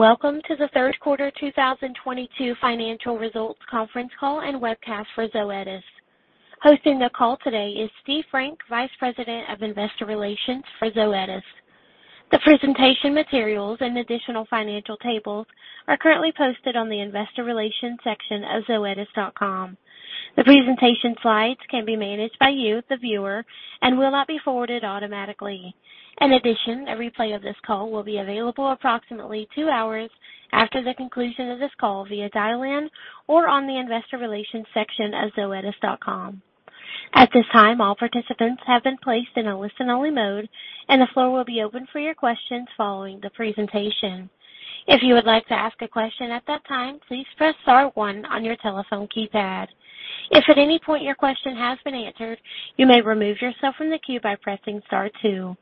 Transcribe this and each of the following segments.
Welcome to the third quarter 2022 financial results conference call and webcast for Zoetis. Hosting the call today is Steve Frank, Vice President of Investor Relations for Zoetis. The presentation materials and additional financial tables are currently posted on the investor relations section of zoetis.com. The presentation slides can be managed by you, the viewer, and will not be forwarded automatically. In addition, a replay of this call will be available approximately two hours after the conclusion of this call via dial-in or on the investor relations section of zoetis.com. At this time, all participants have been placed in a listen-only mode and the floor will be open for your questions following the presentation. If you would like to ask a question at that time, please press star one on your telephone keypad. If at any point your question has been answered, you may remove yourself from the queue by pressing star two.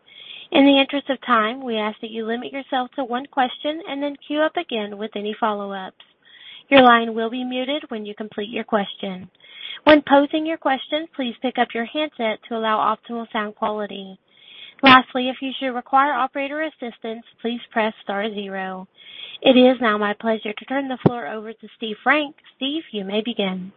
In the interest of time, we ask that you limit yourself to one question and then queue up again with any follow-ups. Your line will be muted when you complete your question. When posing your question, please pick up your handset to allow optimal sound quality. Lastly, if you should require operator assistance, please press star zero. It is now my pleasure to turn the floor over to Steve Frank. Steve, you may begin.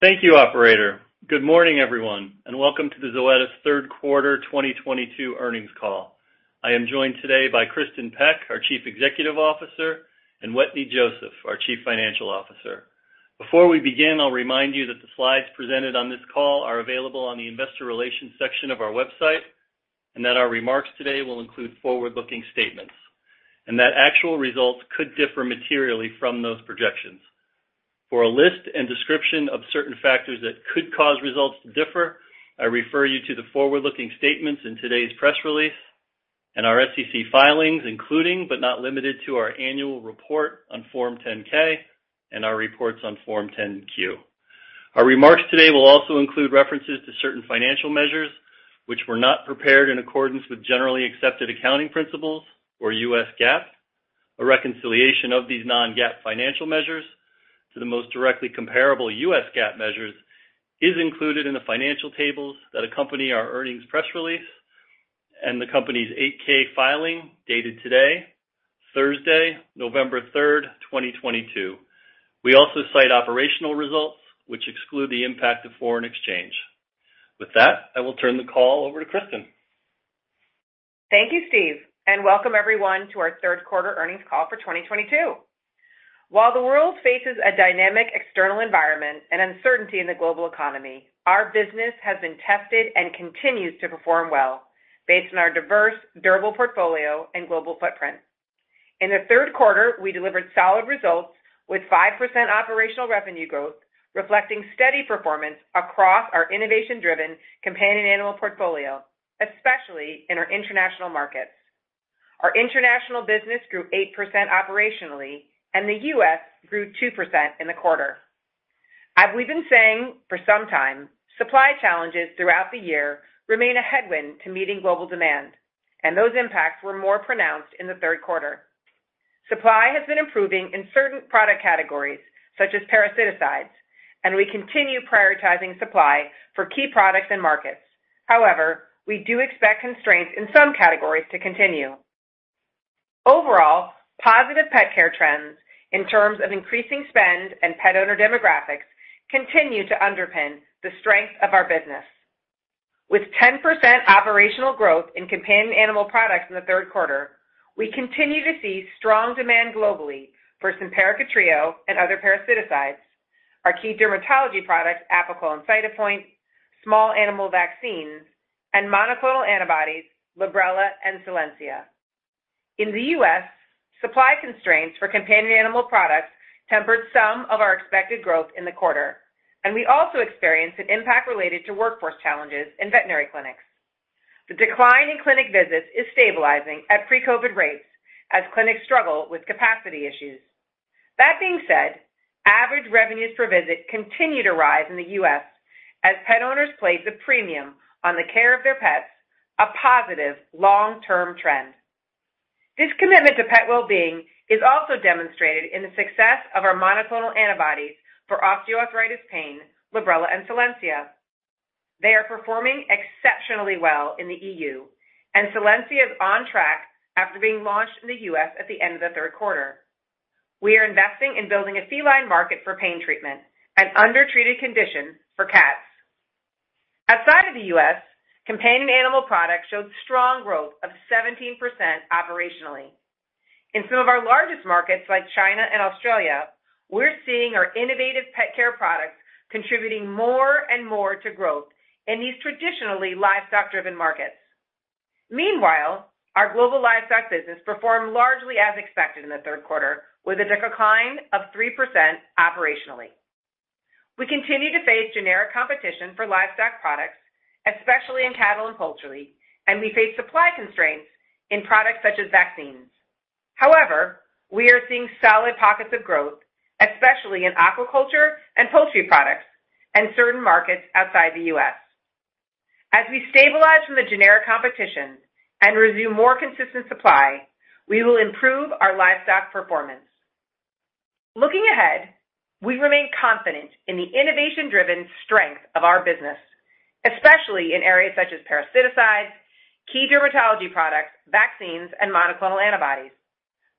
Thank you, operator. Good morning, everyone, and welcome to the Zoetis third quarter 2022 earnings call. I am joined today by Kristin Peck, our Chief Executive Officer, and Wetteny Joseph, our Chief Financial Officer. Before we begin, I'll remind you that the slides presented on this call are available on the investor relations section of our website, and that our remarks today will include forward-looking statements and that actual results could differ materially from those projections. For a list and description of certain factors that could cause results to differ, I refer you to the forward-looking statements in today's press release and our SEC filings, including, but not limited to our annual report on Form 10-K and our reports on Form 10-Q. Our remarks today will also include references to certain financial measures which were not prepared in accordance with generally accepted accounting principles or U.S. GAAP. A reconciliation of these non-GAAP financial measures to the most directly comparable U.S. GAAP measures is included in the financial tables that accompany our earnings press release and the company's 8-K filing dated today, Thursday, November 3rd, 2022. We also cite operational results which exclude the impact of foreign exchange. With that, I will turn the call over to Kristin. Thank you, Steve, and welcome everyone to our third quarter earnings call for 2022. While the world faces a dynamic external environment and uncertainty in the global economy, our business has been tested and continues to perform well based on our diverse, durable portfolio and global footprint. In the third quarter, we delivered solid results with 5% operational revenue growth, reflecting steady performance across our innovation-driven companion animal portfolio, especially in our international markets. Our international business grew 8% operationally and the U.S. grew 2% in the quarter. As we've been saying for some time, supply challenges throughout the year remain a headwind to meeting global demand, and those impacts were more pronounced in the third quarter. Supply has been improving in certain product categories such as parasiticides, and we continue prioritizing supply for key products and markets. However, we do expect constraints in some categories to continue. Overall, positive pet care trends in terms of increasing spend and pet owner demographics continue to underpin the strength of our business. With 10% operational growth in companion animal products in the third quarter, we continue to see strong demand globally for Simparica Trio and other parasiticides, our key dermatology products, Apoquel and Cytopoint, small animal vaccines and monoclonal antibodies, Librela and Solensia. In the U.S., supply constraints for companion animal products tempered some of our expected growth in the quarter, and we also experienced an impact related to workforce challenges in veterinary clinics. The decline in clinic visits is stabilizing at pre-COVID rates as clinics struggle with capacity issues. That being said, average revenues per visit continue to rise in the U.S. as pet owners place a premium on the care of their pets, a positive long-term trend. This commitment to pet well-being is also demonstrated in the success of our monoclonal antibodies for osteoarthritis pain, Librela and Solensia. They are performing exceptionally well in the EU and Solensia is on track after being launched in the U.S. at the end of the third quarter. We are investing in building a feline market for pain treatment, an undertreated condition for cats. Outside of the U.S., companion animal products showed strong growth of 17% operationally. In some of our largest markets like China and Australia, we're seeing our innovative pet care products contributing more and more to growth in these traditionally livestock-driven markets. Meanwhile, our global livestock business performed largely as expected in the third quarter with a decline of 3% operationally. We continue to face generic competition for livestock products, especially in cattle and poultry, and we face supply constraints in products such as vaccines. However, we are seeing solid pockets of growth, especially in aquaculture and poultry products and certain markets outside the U.S. As we stabilize from the generic competition and resume more consistent supply, we will improve our livestock performance. Looking ahead, we remain confident in the innovation-driven strength of our business, especially in areas such as parasiticides, key dermatology products, vaccines, and monoclonal antibodies.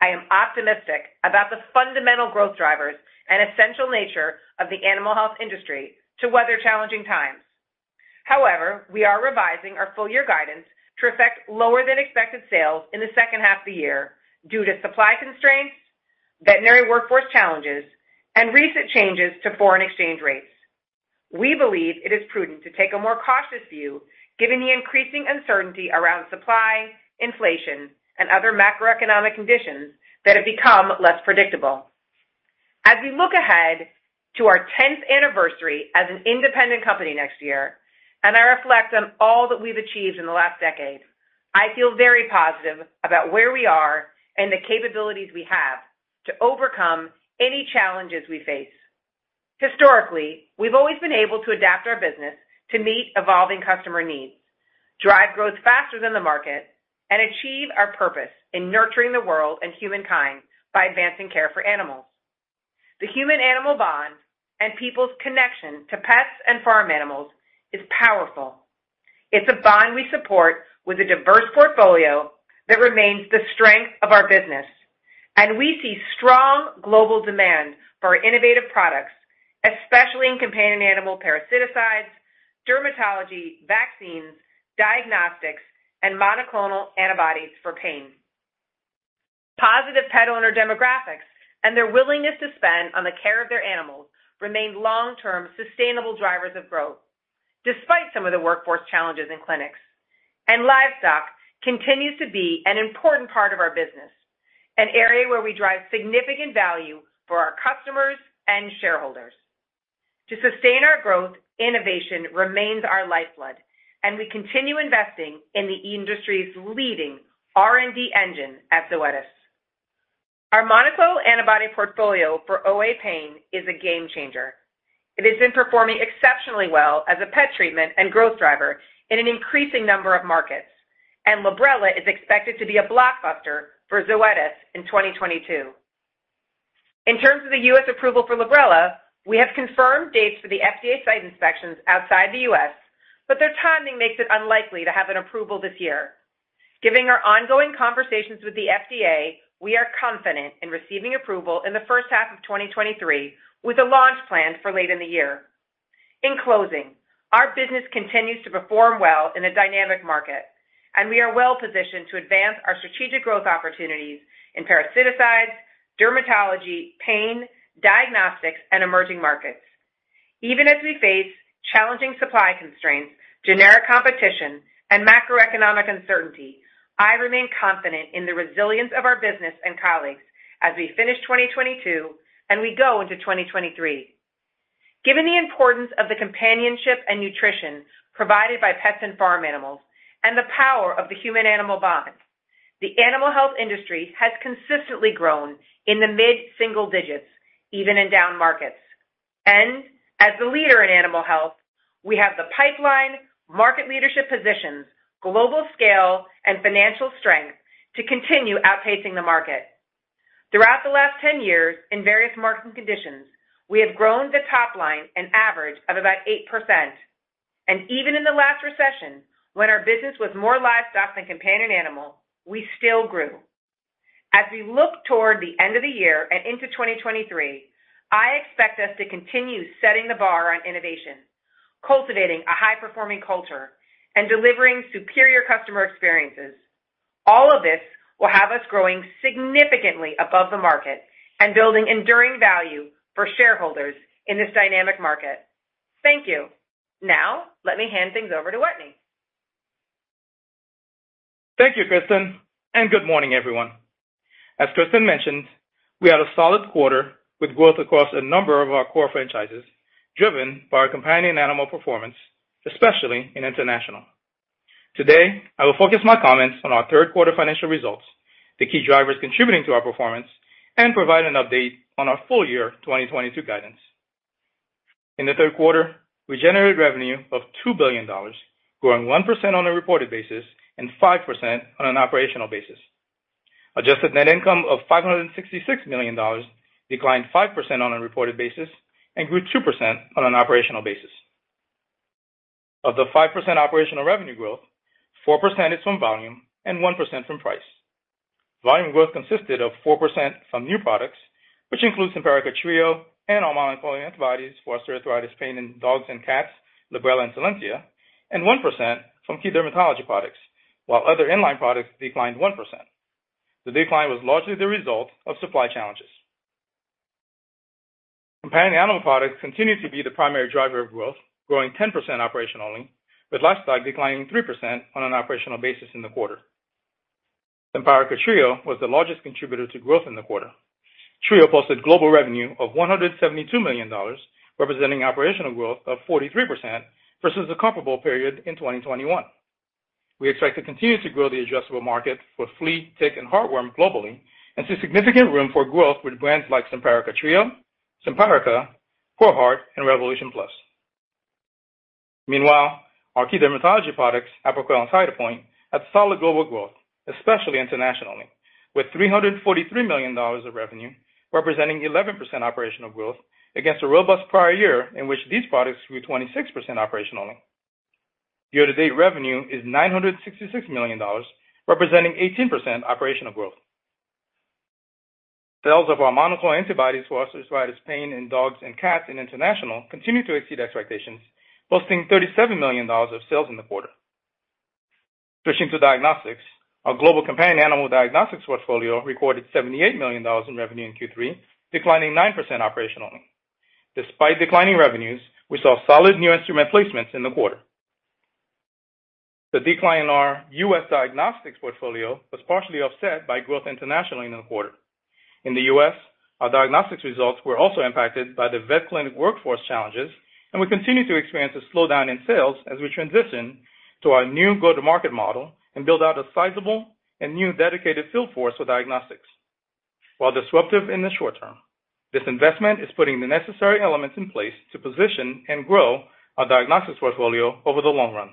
I am optimistic about the fundamental growth drivers and essential nature of the animal health industry to weather challenging times. However, we are revising our full year guidance to reflect lower than expected sales in the second half of the year due to supply constraints, veterinary workforce challenges, and recent changes to foreign exchange rates. We believe it is prudent to take a more cautious view given the increasing uncertainty around supply, inflation, and other macroeconomic conditions that have become less predictable. As we look ahead to our 10th anniversary as an independent company next year, and I reflect on all that we've achieved in the last decade, I feel very positive about where we are and the capabilities we have to overcome any challenges we face. Historically, we've always been able to adapt our business to meet evolving customer needs, drive growth faster than the market, and achieve our purpose in nurturing the world and humankind by advancing care for animals. The human-animal bond and people's connection to pets and farm animals is powerful. It's a bond we support with a diverse portfolio that remains the strength of our business, and we see strong global demand for innovative products, especially in companion animal parasiticides, dermatology, vaccines, diagnostics, and monoclonal antibodies for pain. Positive pet owner demographics and their willingness to spend on the care of their animals remain long-term sustainable drivers of growth despite some of the workforce challenges in clinics. Livestock continues to be an important part of our business, an area where we drive significant value for our customers and shareholders. To sustain our growth, innovation remains our lifeblood, and we continue investing in the industry's leading R&D engine at Zoetis. Our monoclonal antibody portfolio for OA pain is a game changer. It has been performing exceptionally well as a pet treatment and growth driver in an increasing number of markets, and Librela is expected to be a blockbuster for Zoetis in 2022. In terms of the U.S. approval for Librela, we have confirmed dates for the FDA site inspections outside the U.S., but their timing makes it unlikely to have an approval this year. Given our ongoing conversations with the FDA, we are confident in receiving approval in the first half of 2023 with a launch plan for late in the year. In closing, our business continues to perform well in a dynamic market, and we are well-positioned to advance our strategic growth opportunities in parasiticides, dermatology, pain, diagnostics, and emerging markets. Even as we face challenging supply constraints, generic competition, and macroeconomic uncertainty, I remain confident in the resilience of our business and colleagues as we finish 2022 and we go into 2023. Given the importance of the companionship and nutrition provided by pets and farm animals and the power of the human-animal bond, the animal health industry has consistently grown in the mid-single digits, even in down markets. As the leader in animal health, we have the pipeline, market leadership positions, global scale, and financial strength to continue outpacing the market. Throughout the last 10 years in various market conditions, we have grown the top line an average of about 8%. Even in the last recession, when our business was more livestock than companion animal, we still grew. As we look toward the end of the year and into 2023, I expect us to continue setting the bar on innovation, cultivating a high-performing culture, and delivering superior customer experiences. All of this will have us growing significantly above the market and building enduring value for shareholders in this dynamic market. Thank you. Now, let me hand things over to Wetteny. Thank you, Kristin, and good morning, everyone. As Kristin mentioned, we had a solid quarter with growth across a number of our core franchises, driven by our companion animal performance, especially in international. Today, I will focus my comments on our third quarter financial results, the key drivers contributing to our performance, and provide an update on our full year 2022 guidance. In the third quarter, we generated revenue of $2 billion, growing 1% on a reported basis and 5% on an operational basis. Adjusted net income of $566 million declined 5% on a reported basis and grew 2% on an operational basis. Of the 5% operational revenue growth, 4% is from volume and 1% from price. Volume growth consisted of 4% from new products, which includes Simparica Trio and our monoclonal antibodies for osteoarthritis pain in dogs and cats, Librela and Solensia, and 1% from key dermatology products. While other inline products declined 1%. The decline was largely the result of supply challenges. Companion animal products continued to be the primary driver of growth, growing 10% operationally, with livestock declining 3% on an operational basis in the quarter. Simparica Trio was the largest contributor to growth in the quarter. Trio posted global revenue of $172 million, representing operational growth of 43% versus the comparable period in 2021. We expect to continue to grow the addressable market for flea, tick, and heartworm globally and see significant room for growth with brands like Simparica Trio, Simparica, ProHeart, and Revolution Plus. Meanwhile, our key dermatology products, Apoquel and Cytopoint, had solid global growth, especially internationally, with $343 million of revenue, representing 11% operational growth against a robust prior year in which these products grew 26% operationally. Year-to-date revenue is $966 million, representing 18% operational growth. Sales of our monoclonal antibodies for osteoarthritis pain in dogs and cats in international continued to exceed expectations, boasting $37 million of sales in the quarter. Switching to diagnostics. Our global companion animal diagnostics portfolio recorded $78 million in revenue in Q3, declining 9% operationally. Despite declining revenues, we saw solid new instrument placements in the quarter. The decline in our U.S. diagnostics portfolio was partially offset by growth internationally in the quarter. In the U.S., our diagnostics results were also impacted by the vet clinic workforce challenges, and we continue to experience a slowdown in sales as we transition to our new go-to-market model and build out a sizable and new dedicated field force for diagnostics. While disruptive in the short term, this investment is putting the necessary elements in place to position and grow our diagnostics portfolio over the long run.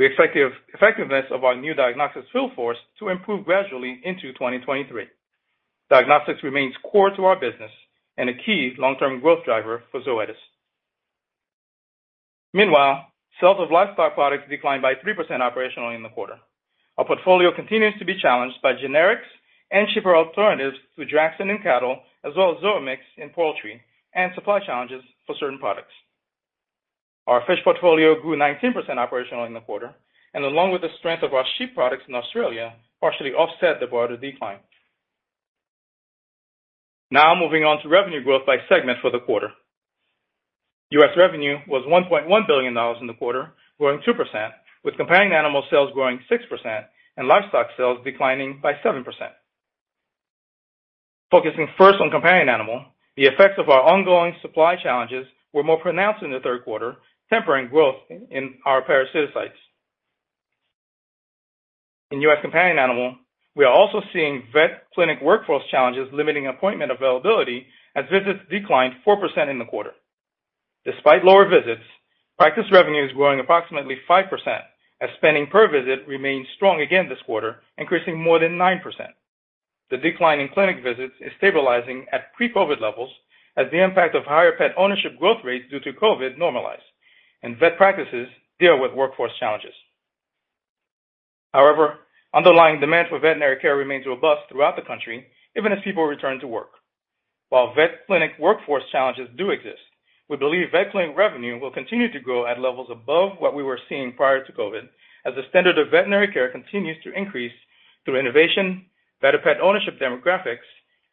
We expect the effectiveness of our new diagnostics field force to improve gradually into 2023. Diagnostics remains core to our business and a key long-term growth driver for Zoetis. Meanwhile, sales of livestock products declined by 3% operationally in the quarter. Our portfolio continues to be challenged by generics and cheaper alternatives to DRAXXIN in cattle as well as Zoamix in poultry and supply challenges for certain products. Our fish portfolio grew 19% operationally in the quarter, and along with the strength of our sheep products in Australia, partially offset the broader decline. Now moving on to revenue growth by segment for the quarter. U.S. revenue was $1.1 billion in the quarter, growing 2%, with companion animal sales growing 6% and livestock sales declining by 7%. Focusing first on companion animal, the effects of our ongoing supply challenges were more pronounced in the third quarter, tempering growth in our parasiticides. In U.S. companion animal, we are also seeing vet clinic workforce challenges limiting appointment availability as visits declined 4% in the quarter. Despite lower visits, practice revenue is growing approximately 5% as spending per visit remains strong again this quarter, increasing more than 9%. The decline in clinic visits is stabilizing at pre-COVID levels as the impact of higher pet ownership growth rates due to COVID normalize and vet practices deal with workforce challenges. However, underlying demand for veterinary care remains robust throughout the country, even as people return to work. While vet clinic workforce challenges do exist, we believe vet clinic revenue will continue to grow at levels above what we were seeing prior to COVID, as the standard of veterinary care continues to increase through innovation, better pet ownership demographics,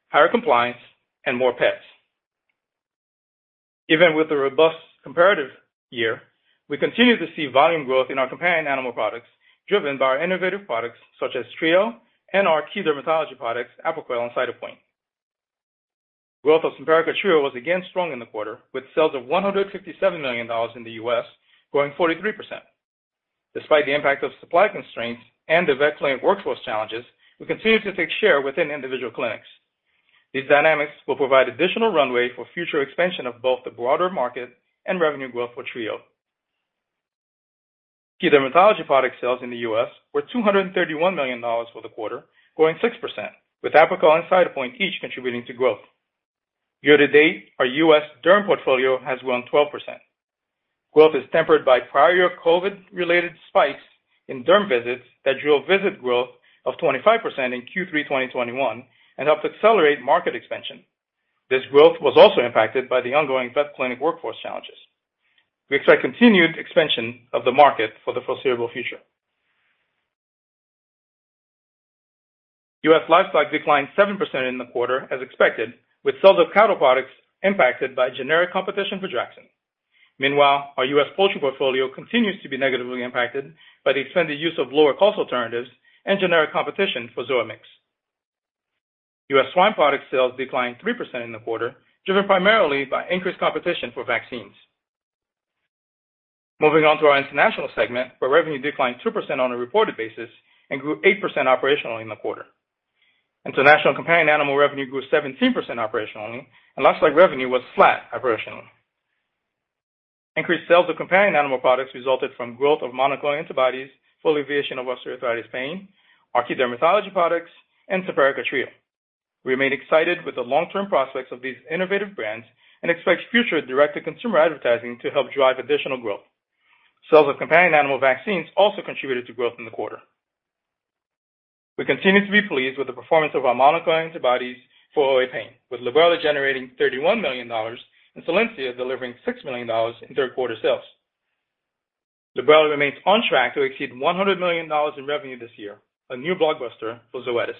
higher compliance, and more pets. Even with a robust comparative year, we continue to see volume growth in our companion animal products driven by our innovative products such as Trio and our key dermatology products, Apoquel and Cytopoint. Growth of Simparica Trio was again strong in the quarter, with sales of $157 million in the U.S. growing 43%. Despite the impact of supply constraints and the vet clinic workforce challenges, we continue to take share within individual clinics. These dynamics will provide additional runway for future expansion of both the broader market and revenue growth for Trio. Key dermatology product sales in the U.S. were $231 million for the quarter, growing 6%, with Apoquel and Cytopoint each contributing to growth. Year to date, our U.S. derm portfolio has grown 12%. Growth is tempered by prior COVID-related spikes in derm visits that drove visit growth of 25% in Q3 2021 and helped accelerate market expansion. This growth was also impacted by the ongoing vet clinic workforce challenges. We expect continued expansion of the market for the foreseeable future. U.S. livestock declined 7% in the quarter as expected, with sales of cattle products impacted by generic competition for DRAXXIN. Meanwhile, our U.S. poultry portfolio continues to be negatively impacted by the extended use of lower cost alternatives and generic competition for Zoamix. U.S. swine product sales declined 3% in the quarter, driven primarily by increased competition for vaccines. Moving on to our international segment, where revenue declined 2% on a reported basis and grew 8% operationally in the quarter. International companion animal revenue grew 17% operationally and livestock revenue was flat operationally. Increased sales of companion animal products resulted from growth of monoclonal antibodies, full alleviation of osteoarthritis pain, our key dermatology products, and Simparica Trio. We remain excited with the long-term prospects of these innovative brands and expect future direct-to-consumer advertising to help drive additional growth. Sales of companion animal vaccines also contributed to growth in the quarter. We continue to be pleased with the performance of our monoclonal antibodies for OA pain, with Librela generating $31 million and Solensia delivering $6 million in third quarter sales. Librela remains on track to exceed $100 million in revenue this year, a new blockbuster for Zoetis.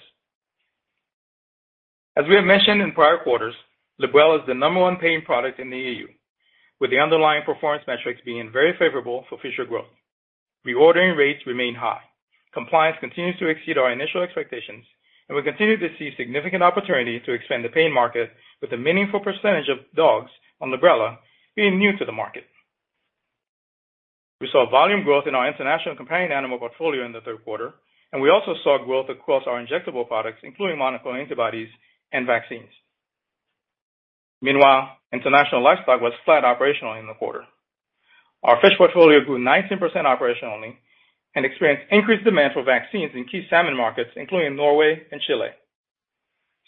As we have mentioned in prior quarters, Librela is the number one pain product in the EU, with the underlying performance metrics being very favorable for future growth. Reordering rates remain high. Compliance continues to exceed our initial expectations, and we continue to see significant opportunity to expand the pain market with a meaningful percentage of dogs on Librela being new to the market. We saw volume growth in our international companion animal portfolio in the third quarter, and we also saw growth across our injectable products, including monoclonal antibodies and vaccines. Meanwhile, international livestock was flat operationally in the quarter. Our fish portfolio grew 19% operationally and experienced increased demand for vaccines in key salmon markets, including Norway and Chile.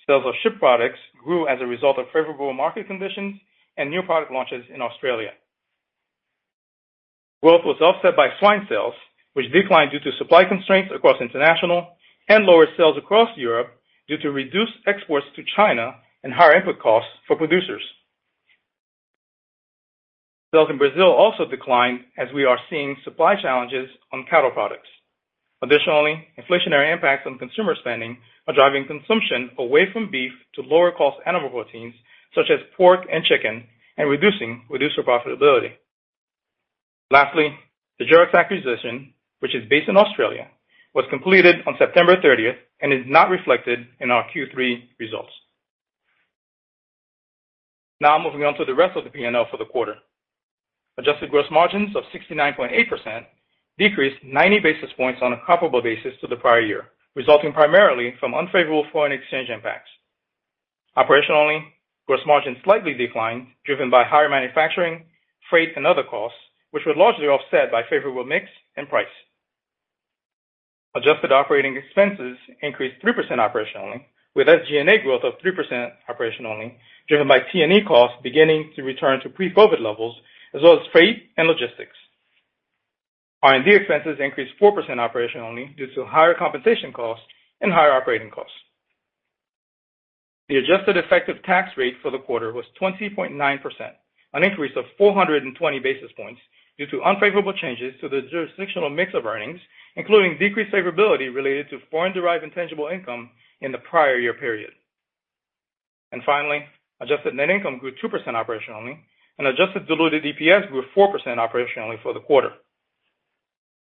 Sales of fish products grew as a result of favorable market conditions and new product launches in Australia. Growth was offset by swine sales, which declined due to supply constraints across international and lower sales across Europe due to reduced exports to China and higher input costs for producers. Sales in Brazil also declined as we are seeing supply challenges on cattle products. Additionally, inflationary impacts on consumer spending are driving consumption away from beef to lower-cost animal proteins such as pork and chicken, and reducing producer profitability. Lastly, the Jurox acquisition, which is based in Australia, was completed on September 30th and is not reflected in our Q3 results. Now moving on to the rest of the P&L for the quarter. Adjusted gross margins of 69.8% decreased 90 basis points on a comparable basis to the prior year, resulting primarily from unfavorable foreign exchange impacts. Operationally, gross margins slightly declined, driven by higher manufacturing, freight, and other costs, which were largely offset by favorable mix and price. Adjusted operating expenses increased 3% operationally, with SG&A growth of 3% operationally, driven by T&E costs beginning to return to pre-COVID levels as well as freight and logistics. R&D expenses increased 4% operationally due to higher compensation costs and higher operating costs. The adjusted effective tax rate for the quarter was 20.9%, an increase of 420 basis points due to unfavorable changes to the jurisdictional mix of earnings, including decreased favorability related to foreign-derived intangible income in the prior year period. Finally, adjusted net income grew 2% operationally, and adjusted diluted EPS grew 4% operationally for the quarter.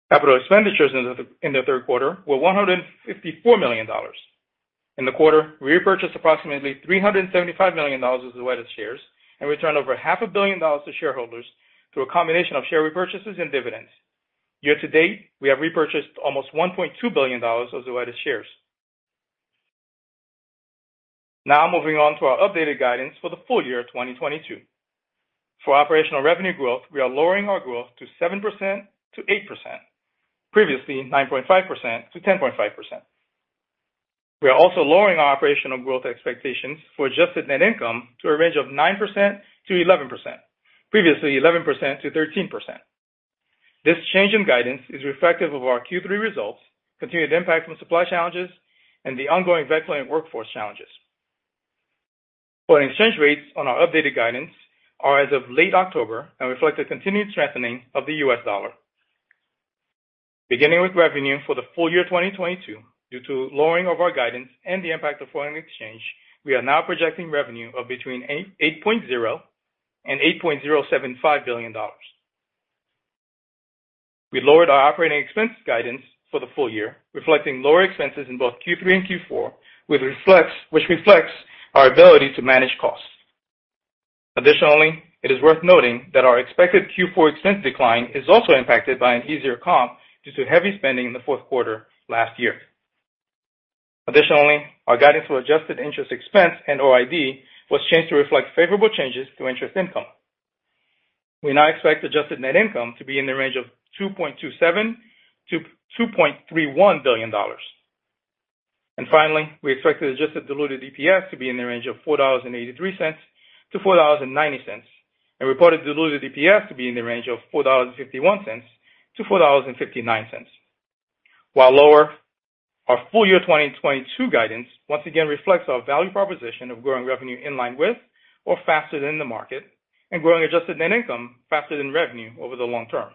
Capital expenditures in the third quarter were $154 million. In the quarter, we repurchased approximately $375 million of Zoetis shares and returned over $500 million to shareholders through a combination of share repurchases and dividends. Year to date, we have repurchased almost $1.2 billion of Zoetis shares. Now moving on to our updated guidance for the full year 2022. For operational revenue growth, we are lowering our growth to 7%-8%, previously 9.5%-10.5%. We are also lowering our operational growth expectations for adjusted net income to a range of 9%-11%, previously 11%-13%. This change in guidance is reflective of our Q3 results, continued impact from supply challenges, and the ongoing vet clinic workforce challenges. Foreign exchange rates on our updated guidance are as of late October and reflect a continued strengthening of the U.S. dollar. Beginning with revenue for the full year 2022, due to lowering of our guidance and the impact of foreign exchange, we are now projecting revenue of between $8.0 billion and $8.075 billion. We lowered our operating expense guidance for the full year, reflecting lower expenses in both Q3 and Q4, which reflects our ability to manage costs. Additionally, it is worth noting that our expected Q4 expense decline is also impacted by an easier comp due to heavy spending in the fourth quarter last year. Additionally, our guidance for adjusted interest expense and OID was changed to reflect favorable changes to interest income. We now expect adjusted net income to be in the range of $2.27 billion-$2.31 billion. Finally, we expect the adjusted diluted EPS to be in the range of $4.83-$4.90, and reported diluted EPS to be in the range of $4.51-$4.59. While lower, our full year 2022 guidance once again reflects our value proposition of growing revenue in line with or faster than the market, and growing adjusted net income faster than revenue over the long term.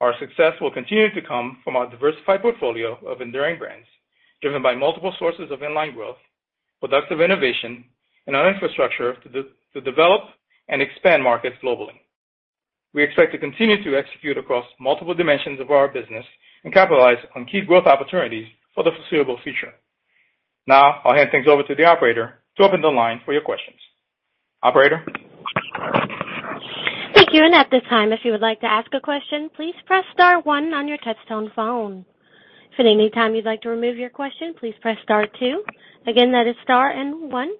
Our success will continue to come from our diversified portfolio of enduring brands, driven by multiple sources of in-line growth, productive innovation, and our infrastructure to develop and expand markets globally. We expect to continue to execute across multiple dimensions of our business and capitalize on key growth opportunities for the foreseeable future. Now, I'll hand things over to the operator to open the line for your questions. Operator? Thank you. At this time, if you would like to ask a question, please press star one on your touch-tone phone. If at any time you'd like to remove your question, please press star two. Again, that is star and one.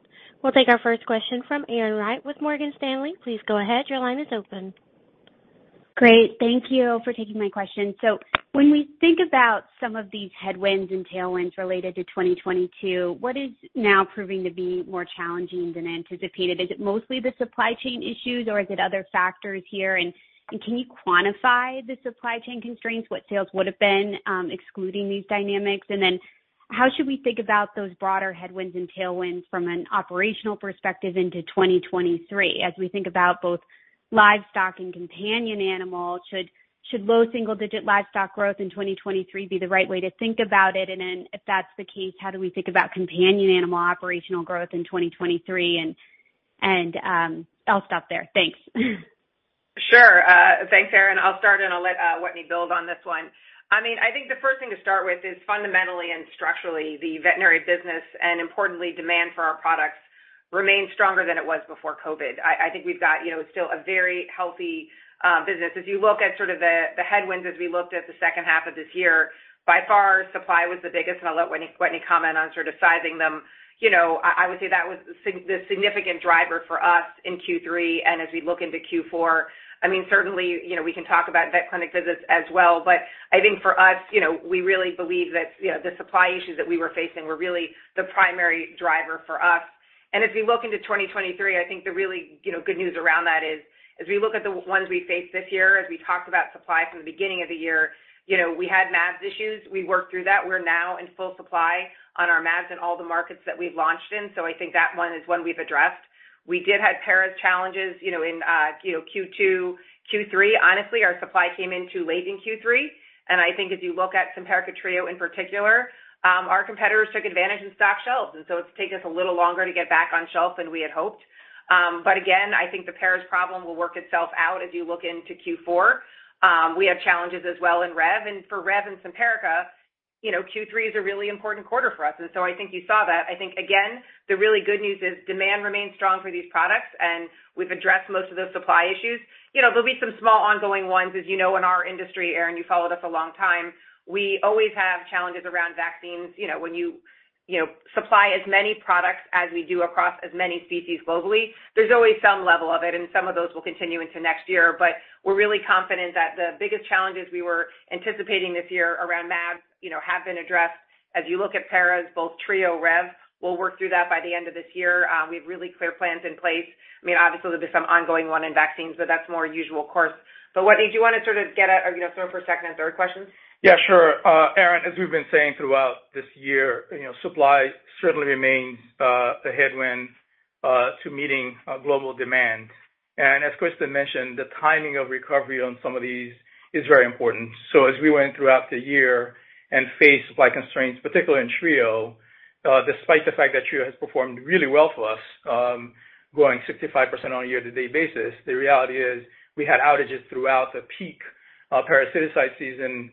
We'll take our first question from Erin Wright with Morgan Stanley. Please go ahead, your line is open. Great, thank you for taking my question. When we think about some of these headwinds and tailwinds related to 2022, what is now proving to be more challenging than anticipated? Is it mostly the supply chain issues or is it other factors here? Can you quantify the supply chain constraints, what sales would have been, excluding these dynamics? How should we think about those broader headwinds and tailwinds from an operational perspective into 2023 as we think about both livestock and companion animal? Should low single-digit livestock growth in 2023 be the right way to think about it? If that's the case, how do we think about companion animal operational growth in 2023? I'll stop there. Thanks. Sure. Thanks, Erin. I'll start and I'll let Wetteny build on this one. I mean, I think the first thing to start with is fundamentally and structurally the veterinary business and importantly demand for our products remains stronger than it was before COVID. I think we've got, you know, still a very healthy business. If you look at sort of the headwinds as we looked at the second half of this year, by far, supply was the biggest, and I'll let Wetteny comment on sort of sizing them. You know, I would say that was the significant driver for us in Q3, and as we look into Q4. I mean, certainly, you know, we can talk about vet clinic visits as well. But I think for us, you know, we really believe that, you know, the supply issues that we were facing were really the primary driver for us. As we look into 2023, I think the really, you know, good news around that is as we look at the ones we faced this year, as we talked about supply from the beginning of the year, you know, we had mAbs issues. We worked through that. We're now in full supply on our mAbs in all the markets that we've launched in, so I think that one is one we've addressed. We did have paras challenges, you know, in Q2, Q3. Honestly, our supply came in too late in Q3, and I think if you look at Simparica Trio in particular, our competitors took advantage of empty shelves, and so it's taken us a little longer to get back on shelf than we had hoped. But again, I think the paras problem will work itself out as you look into Q4. We have challenges as well in Rev, and for Rev and Simparica, you know, Q3 is a really important quarter for us. I think you saw that. I think again, the really good news is demand remains strong for these products, and we've addressed most of those supply issues. You know, there'll be some small ongoing ones. As you know, in our industry, Erin, you followed us a long time, we always have challenges around vaccines. You know, when you know, supply as many products as we do across as many species globally, there's always some level of it and some of those will continue into next year. We're really confident that the biggest challenges we were anticipating this year around mAbs, you know, have been addressed. As you look at paras, both Trio, Rev, we'll work through that by the end of this year. We have really clear plans in place. I mean, obviously, there'll be some ongoing one in vaccines, but that's more usual course. Wetteny, do you wanna sort of get a, you know, sort of for second and third questions? Yeah, sure. Erin, as we've been saying throughout this year, you know, supply certainly remains a headwind to meeting global demand. As Kristin mentioned, the timing of recovery on some of these is very important. As we went throughout the year and faced supply constraints, particularly in Trio, despite the fact that Trio has performed really well for us, growing 65% on a year-to-date basis, the reality is we had outages throughout the peak parasiticide season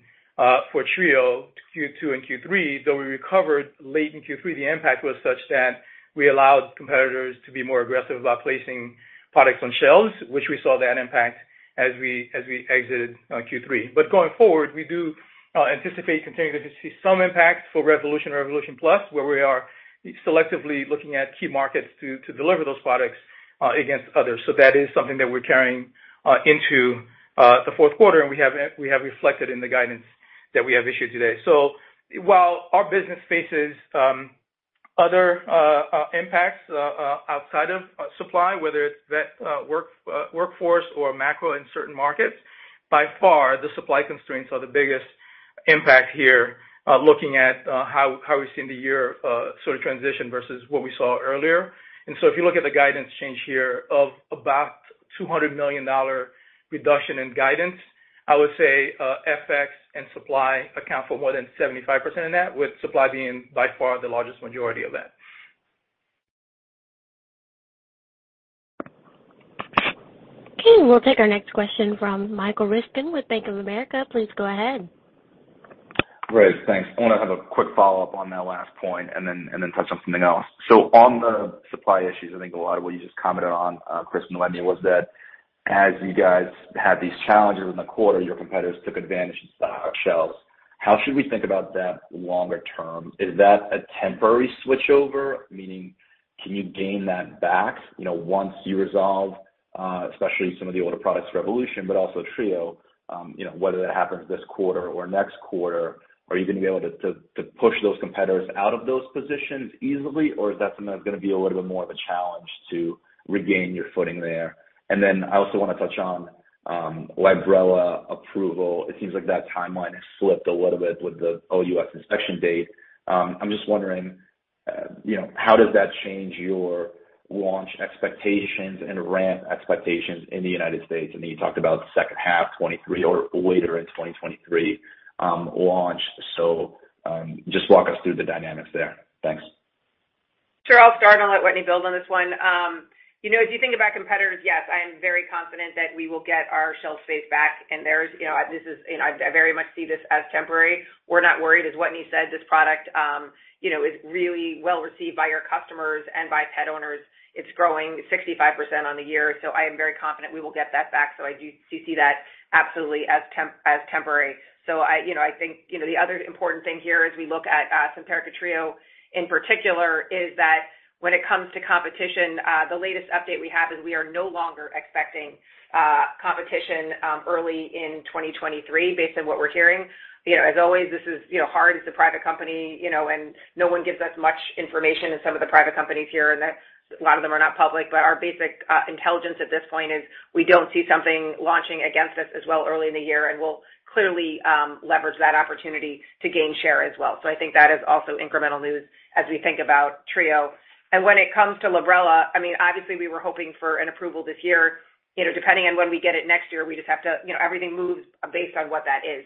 for Trio to Q2 and Q3. Though we recovered late in Q3, the impact was such that we allowed competitors to be more aggressive about placing products on shelves, which we saw that impact as we exited Q3. Going forward, we do anticipate continuing to see some impact for Revolution Plus, where we are selectively looking at key markets to deliver those products against others. That is something that we're carrying into the fourth quarter and we have reflected in the guidance that we have issued today. While our business faces other impacts outside of supply, whether it's vet workforce or macro in certain markets, by far, the supply constraints are the biggest impact here, looking at how we've seen the year sort of transition versus what we saw earlier. If you look at the guidance change here of about a $200 million reduction in guidance, I would say, FX and supply account for more than 75% of that, with supply being by far the largest majority of that. Okay, we'll take our next question from Michael Ryskin with Bank of America. Please go ahead. Great. Thanks. I wanna have a quick follow-up on that last point and then touch on something else. On the supply issues, I think a lot of what you just commented on, Kristin and Wetteny, was that as you guys had these challenges in the quarter, your competitors took advantage of empty shelves. How should we think about that longer term? Is that a temporary switchover? Meaning, can you gain that back, you know, once you resolve, especially some of the older products, Revolution, but also Trio, you know, whether that happens this quarter or next quarter? Are you gonna be able to to push those competitors out of those positions easily, or is that something that's gonna be a little bit more of a challenge to regain your footing there? Then I also wanna touch on Librela approval. It seems like that timeline has slipped a little bit with the OUS inspection date. I'm just wondering, you know, how does that change your launch expectations and ramp expectations in the United States? I know you talked about second half 2023 or later in 2023 launch. Just walk us through the dynamics there. Thanks. Sure. I'll start and let Wetteny build on this one. You know, if you think about competitors, yes, I am very confident that we will get our shelf space back. There's, you know, this is, and I very much see this as temporary. We're not worried. As Wetteny said, this product, you know, is really well received by our customers and by pet owners. It's growing 65% on the year. I am very confident we will get that back. I do see that absolutely as temporary. You know, I think, you know, the other important thing here as we look at Simparica Trio in particular is that when it comes to competition, the latest update we have is we are no longer expecting competition early in 2023 based on what we're hearing. You know, as always, this is, you know, hard. It's a private company, you know, and no one gives us much information in some of the private companies here, and that's a lot of them are not public. Our basic intelligence at this point is we don't see something launching against us as well early in the year, and we'll clearly leverage that opportunity to gain share as well. I think that is also incremental news as we think about Trio. When it comes to Librela, I mean, obviously we were hoping for an approval this year. You know, depending on when we get it next year, we just have to, you know, everything moves based on what that is.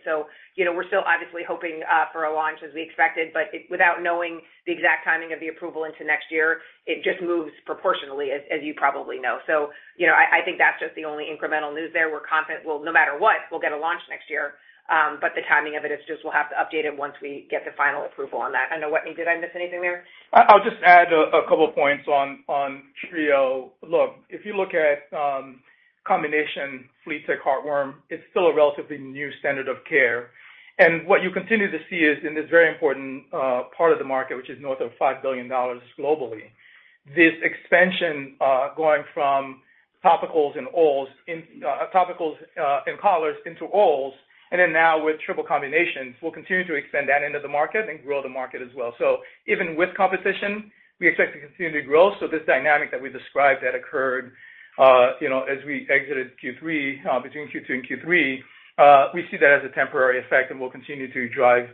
You know, we're still obviously hoping for a launch as we expected, but without knowing the exact timing of the approval into next year, it just moves proportionately. Usually, as you probably know. You know, I think that's just the only incremental news there. We're confident we'll no matter what, we'll get a launch next year. The timing of it is just we'll have to update it once we get the final approval on that. I know, Wetteny, did I miss anything there? I'll just add a couple points on Trio. Look, if you look at combination flea-tick heartworm, it's still a relatively new standard of care. What you continue to see is, in this very important part of the market, which is north of $5 billion globally, this expansion, going from topicals and orals, in topicals and collars into orals, and then now with triple combinations, we'll continue to expand that into the market and grow the market as well. Even with competition, we expect to continue to grow. This dynamic that we described that occurred, you know, as we exited Q3, between Q2 and Q3, we see that as a temporary effect, and we'll continue to drive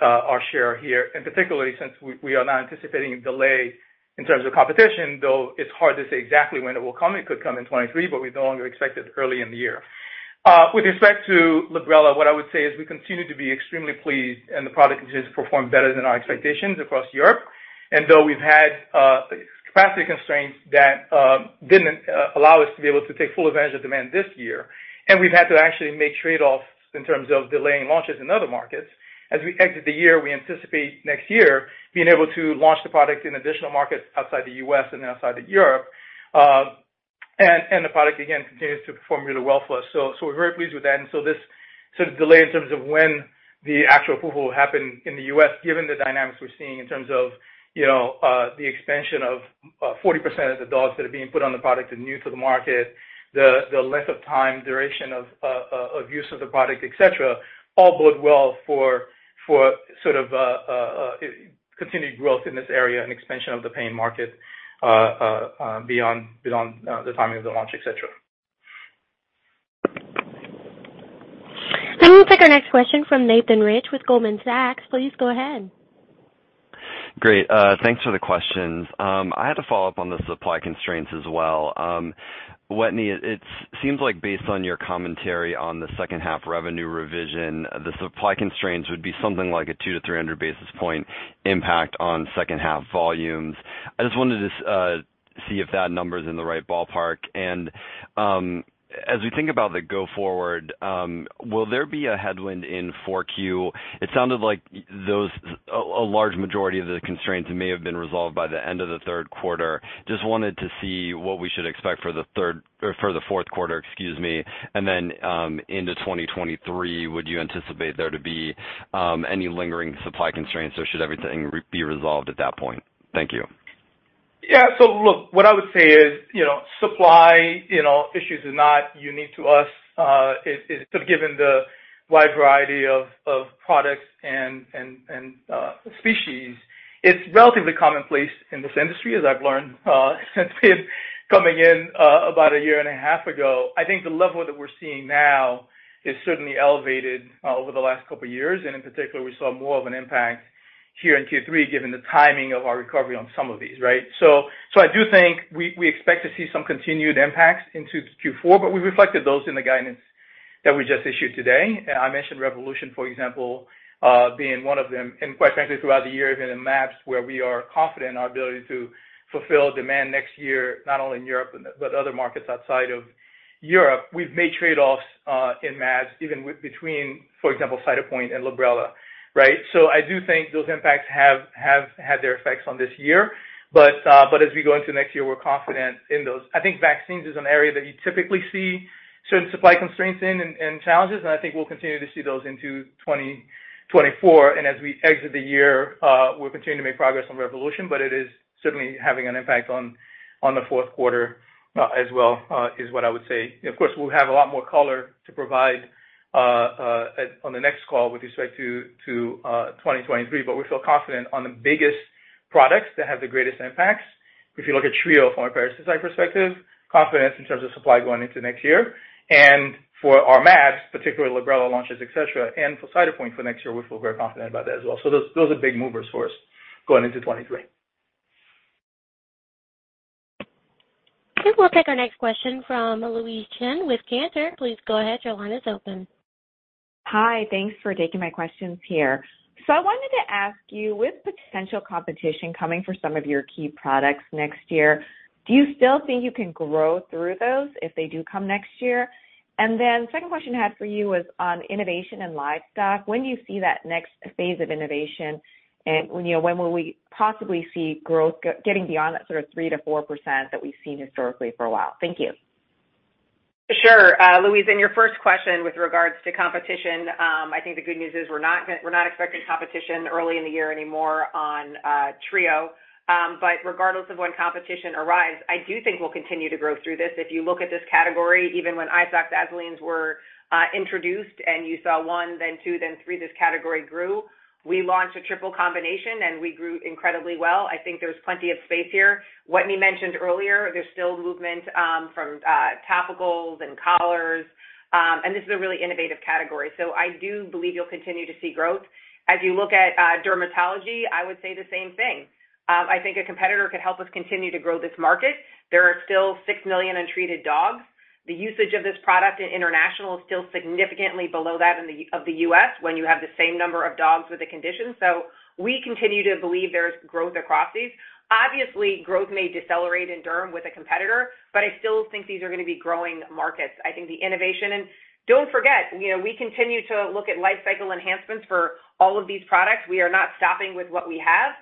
our share here. Particularly since we are now anticipating a delay in terms of competition, though it's hard to say exactly when it will come. It could come in 2023, but we no longer expect it early in the year. With respect to Librela, what I would say is we continue to be extremely pleased, and the product continues to perform better than our expectations across Europe. Though we've had capacity constraints that didn't allow us to be able to take full advantage of demand this year, and we've had to actually make trade-offs in terms of delaying launches in other markets, as we exit the year, we anticipate next year being able to launch the product in additional markets outside the U.S. and outside of Europe. And the product, again, continues to perform really well for us. We're very pleased with that. This sort of delay in terms of when the actual approval will happen in the U.S., given the dynamics we're seeing in terms of, you know, the expansion of 40% of the dogs that are being put on the product is new to the market, the length of time, duration of use of the product, et cetera, all bode well for sort of continued growth in this area and expansion of the paying market beyond the timing of the launch, et cetera. We'll take our next question from Nathan Rich with Goldman Sachs. Please go ahead. Great. Thanks for the questions. I had to follow up on the supply constraints as well. Wetteny, it seems like based on your commentary on the second half revenue revision, the supply constraints would be something like a 200 basis points-300 basis points impact on second half volumes. I just wanted to see if that number is in the right ballpark. As we think about the go forward, will there be a headwind in 4Q? It sounded like a large majority of the constraints may have been resolved by the end of the third quarter. Just wanted to see what we should expect for the fourth quarter, excuse me. Into 2023, would you anticipate there to be any lingering supply constraints, or should everything be resolved at that point? Thank you. Yeah. Look, what I would say is, you know, supply, you know, issues is not unique to us. It is so given the wide variety of products and species, it's relatively commonplace in this industry, as I've learned since coming in about a year and a half ago. I think the level that we're seeing now is certainly elevated over the last couple of years. In particular, we saw more of an impact here in Q3, given the timing of our recovery on some of these, right? So I do think we expect to see some continued impacts into Q4, but we reflected those in the guidance that we just issued today. I mentioned Revolution, for example, being one of them. Quite frankly, throughout the year, even in mAbs where we are confident in our ability to fulfill demand next year, not only in Europe but other markets outside of Europe. We've made trade-offs in mAbs even between, for example, Cytopoint and Librela, right? I do think those impacts have had their effects on this year. As we go into next year, we're confident in those. I think vaccines is an area that you typically see certain supply constraints in and challenges, and I think we'll continue to see those into 2024. As we exit the year, we'll continue to make progress on Revolution, but it is certainly having an impact on the fourth quarter as well, is what I would say. Of course, we'll have a lot more color to provide on the next call with respect to 2023. We feel confident on the biggest products that have the greatest impacts. If you look at Trio from a parasiticide perspective, confidence in terms of supply going into next year. For our mAbs, particularly Librela launches, et cetera, and for Cytopoint for next year, we feel very confident about that as well. Those are big movers for us going into 2023. We'll take our next question from Louise Chen with Cantor. Please go ahead. Your line is open. Hi. Thanks for taking my questions here. I wanted to ask you, with potential competition coming for some of your key products next year, do you still think you can grow through those if they do come next year? Second question I had for you was on innovation and livestock. When you see that next phase of innovation and, you know, when will we possibly see growth getting beyond that sort of 3%-4% that we've seen historically for a while? Thank you. Sure. Louise, in your first question with regards to competition, I think the good news is we're not expecting competition early in the year anymore on Trio. Regardless of when competition arrives, I do think we'll continue to grow through this. If you look at this category, even when isoxazolines were introduced and you saw one, then two, then three, this category grew. We launched a triple combination, and we grew incredibly well. I think there's plenty of space here. Wetteny mentioned earlier there's still movement from topicals and collars, and this is a really innovative category. I do believe you'll continue to see growth. As you look at dermatology, I would say the same thing. I think a competitor could help us continue to grow this market. There are still 6 million untreated dogs. The usage of this product in international is still significantly below that in the U.S. when you have the same number of dogs with the condition. We continue to believe there's growth across these. Obviously, growth may decelerate in derm with a competitor, but I still think these are gonna be growing markets. I think the innovation. Don't forget, you know, we continue to look at lifecycle enhancements for all of these products. We are not stopping with what we have.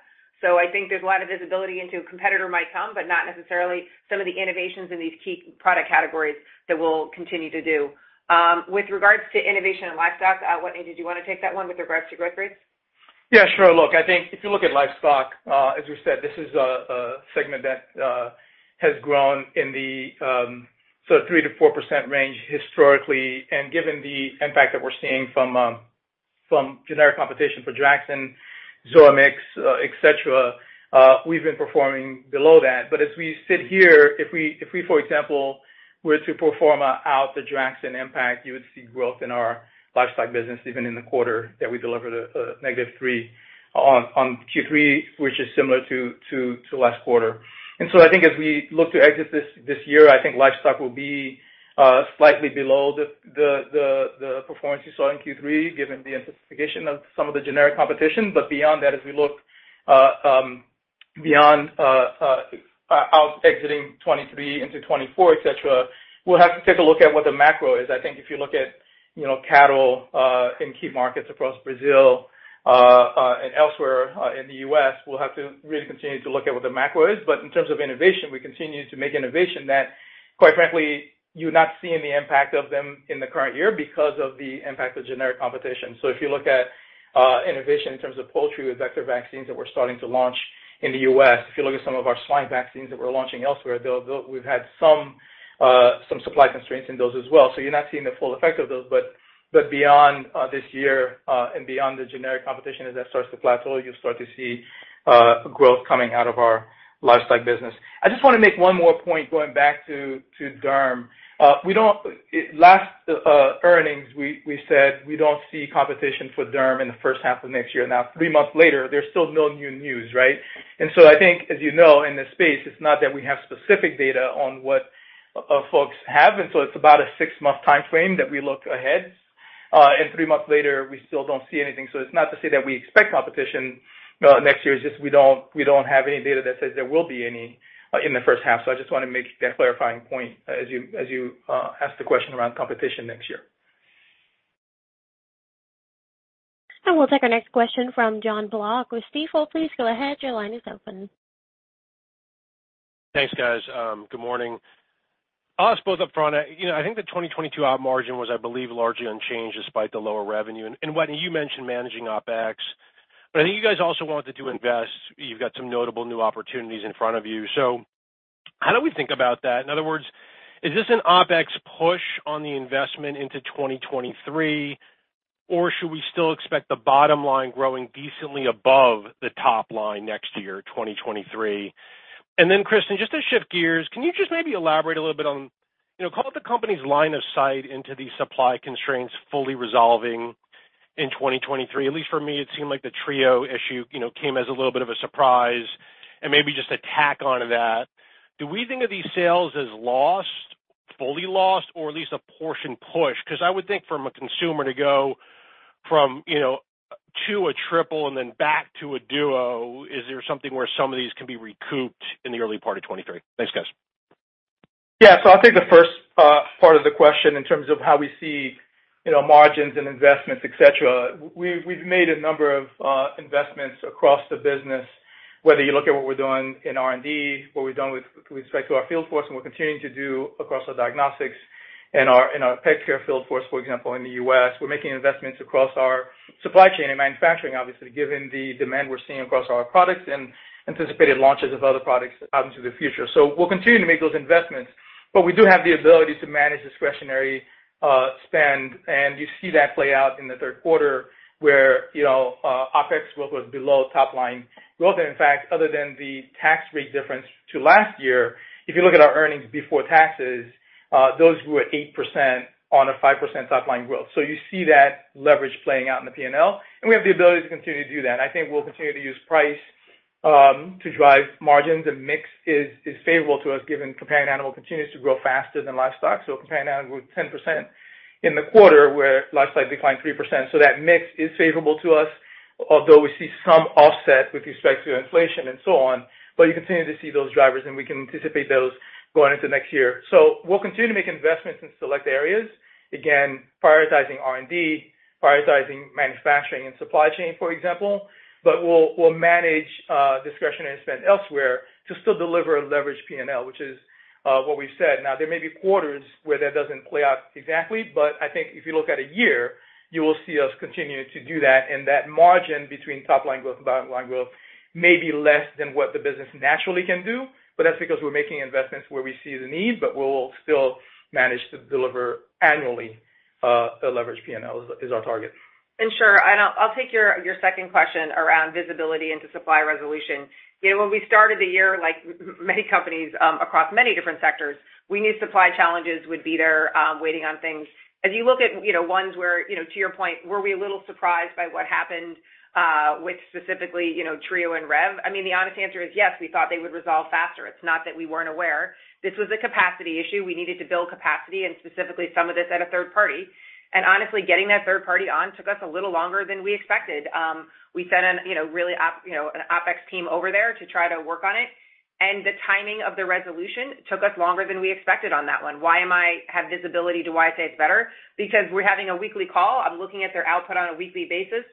I think there's a lot of visibility into a competitor might come, but not necessarily some of the innovations in these key product categories that we'll continue to do. With regards to innovation and livestock, Wetteny, did you wanna take that one with regards to growth rates? Yeah, sure. Look, I think if you look at livestock, as you said, this is a segment that has grown in the sort of 3%-4% range historically. Given the impact that we're seeing from generic competition for DRAXXIN, Zoamix, et cetera, we've been performing below that. As we sit here, if we, for example, were to perform out the DRAXXIN impact, you would see growth in our livestock business, even in the quarter that we delivered a -3% on Q3, which is similar to last quarter. I think as we look to exit this year, I think livestock will be slightly below the performance you saw in Q3, given the anticipation of some of the generic competition. Beyond that, as we look beyond exiting 2023 into 2024, etc., we'll have to take a look at what the macro is. I think if you look at, you know, cattle in key markets across Brazil and elsewhere in the U.S., we'll have to really continue to look at what the macro is. In terms of innovation, we continue to make innovation that, quite frankly, you're not seeing the impact of them in the current year because of the impact of generic competition. If you look at innovation in terms of poultry with vector vaccines that we're starting to launch in the U.S., if you look at some of our swine vaccines that we're launching elsewhere, we've had some supply constraints in those as well. You're not seeing the full effect of those. Beyond this year and beyond the generic competition, as that starts to plateau, you'll start to see growth coming out of our livestock business. I just wanna make one more point going back to derm. Last earnings, we said we don't see competition for derm in the first half of next year. Now, three months later, there's still no new news, right? I think, as you know, in this space, it's not that we have specific data on what folks have. It's about a six-month timeframe that we look ahead, and three months later, we still don't see anything. It's not to say that we expect competition next year. It's just we don't have any data that says there will be any in the first half. I just wanna make that clarifying point as you ask the question around competition next year. We'll take our next question from Jon Block with Stifel. Please go ahead. Your line is open. Thanks, guys. Good morning. I'll say up front, you know, I think the 2022 op margin was, I believe, largely unchanged despite the lower revenue. Wetteny, you mentioned managing OpEx, but I think you guys also wanted to invest. You've got some notable new opportunities in front of you. How do we think about that? In other words, is this an OpEx push on the investment into 2023? Or should we still expect the bottom line growing decently above the top line next year, 2023? Kristin, just to shift gears, can you just maybe elaborate a little bit on, you know, call it the company's line of sight into the supply constraints fully resolving in 2023? At least for me, it seemed like the Simparica Trio issue, you know, came as a little bit of a surprise. Maybe just to tack onto that, do we think of these sales as lost, fully lost, or at least a portion push? 'Cause I would think from a consumer to go from, you know, two or triple and then back to a duo, is there something where some of these can be recouped in the early part of 2023? Thanks, guys. Yeah. I'll take the first part of the question in terms of how we see, you know, margins and investments, et cetera. We've made a number of investments across the business, whether you look at what we're doing in R&D, what we've done with respect to our field force, and we're continuing to do across our diagnostics in our pet care field force, for example, in the U.S. We're making investments across our supply chain and manufacturing, obviously, given the demand we're seeing across our products and anticipated launches of other products out into the future. We'll continue to make those investments. We do have the ability to manage discretionary spend, and you see that play out in the third quarter where, you know, OpEx growth was below top line growth. In fact, other than the tax rate difference to last year, if you look at our earnings before taxes, those were 8% on a 5% top line growth. You see that leverage playing out in the P&L, and we have the ability to continue to do that. I think we'll continue to use price to drive margins, and mix is favorable to us, given companion animal continues to grow faster than livestock. Companion animal grew 10% in the quarter, where livestock declined 3%. That mix is favorable to us, although we see some offset with respect to inflation and so on. You continue to see those drivers, and we can anticipate those going into next year. We'll continue to make investments in select areas, again, prioritizing R&D, prioritizing manufacturing and supply chain, for example. We'll manage discretionary spend elsewhere to still deliver a leveraged P&L, which is what we've said. Now there may be quarters where that doesn't play out exactly, but I think if you look at a year, you will see us continue to do that. That margin between top line growth and bottom line growth may be less than what the business naturally can do. That's because we're making investments where we see the need, but we'll still manage to deliver annually. A leveraged P&L is our target. Sure. I'll take your second question around visibility into supply resolution. You know, when we started the year, like many companies, across many different sectors, we knew supply challenges would be there, waiting on things. As you look at, you know, ones where, you know, to your point, were we a little surprised by what happened, with specifically, you know, Trio and Rev? I mean, the honest answer is yes. We thought they would resolve faster. It's not that we weren't aware. This was a capacity issue. We needed to build capacity and specifically some of this at a third party. Honestly, getting that third party on took us a little longer than we expected. We sent, you know, really an OpEx team over there to try to work on it. The timing of the resolution took us longer than we expected on that one. Why do I have visibility as to why I say it's better? Because we're having a weekly call. I'm looking at their output on a weekly basis,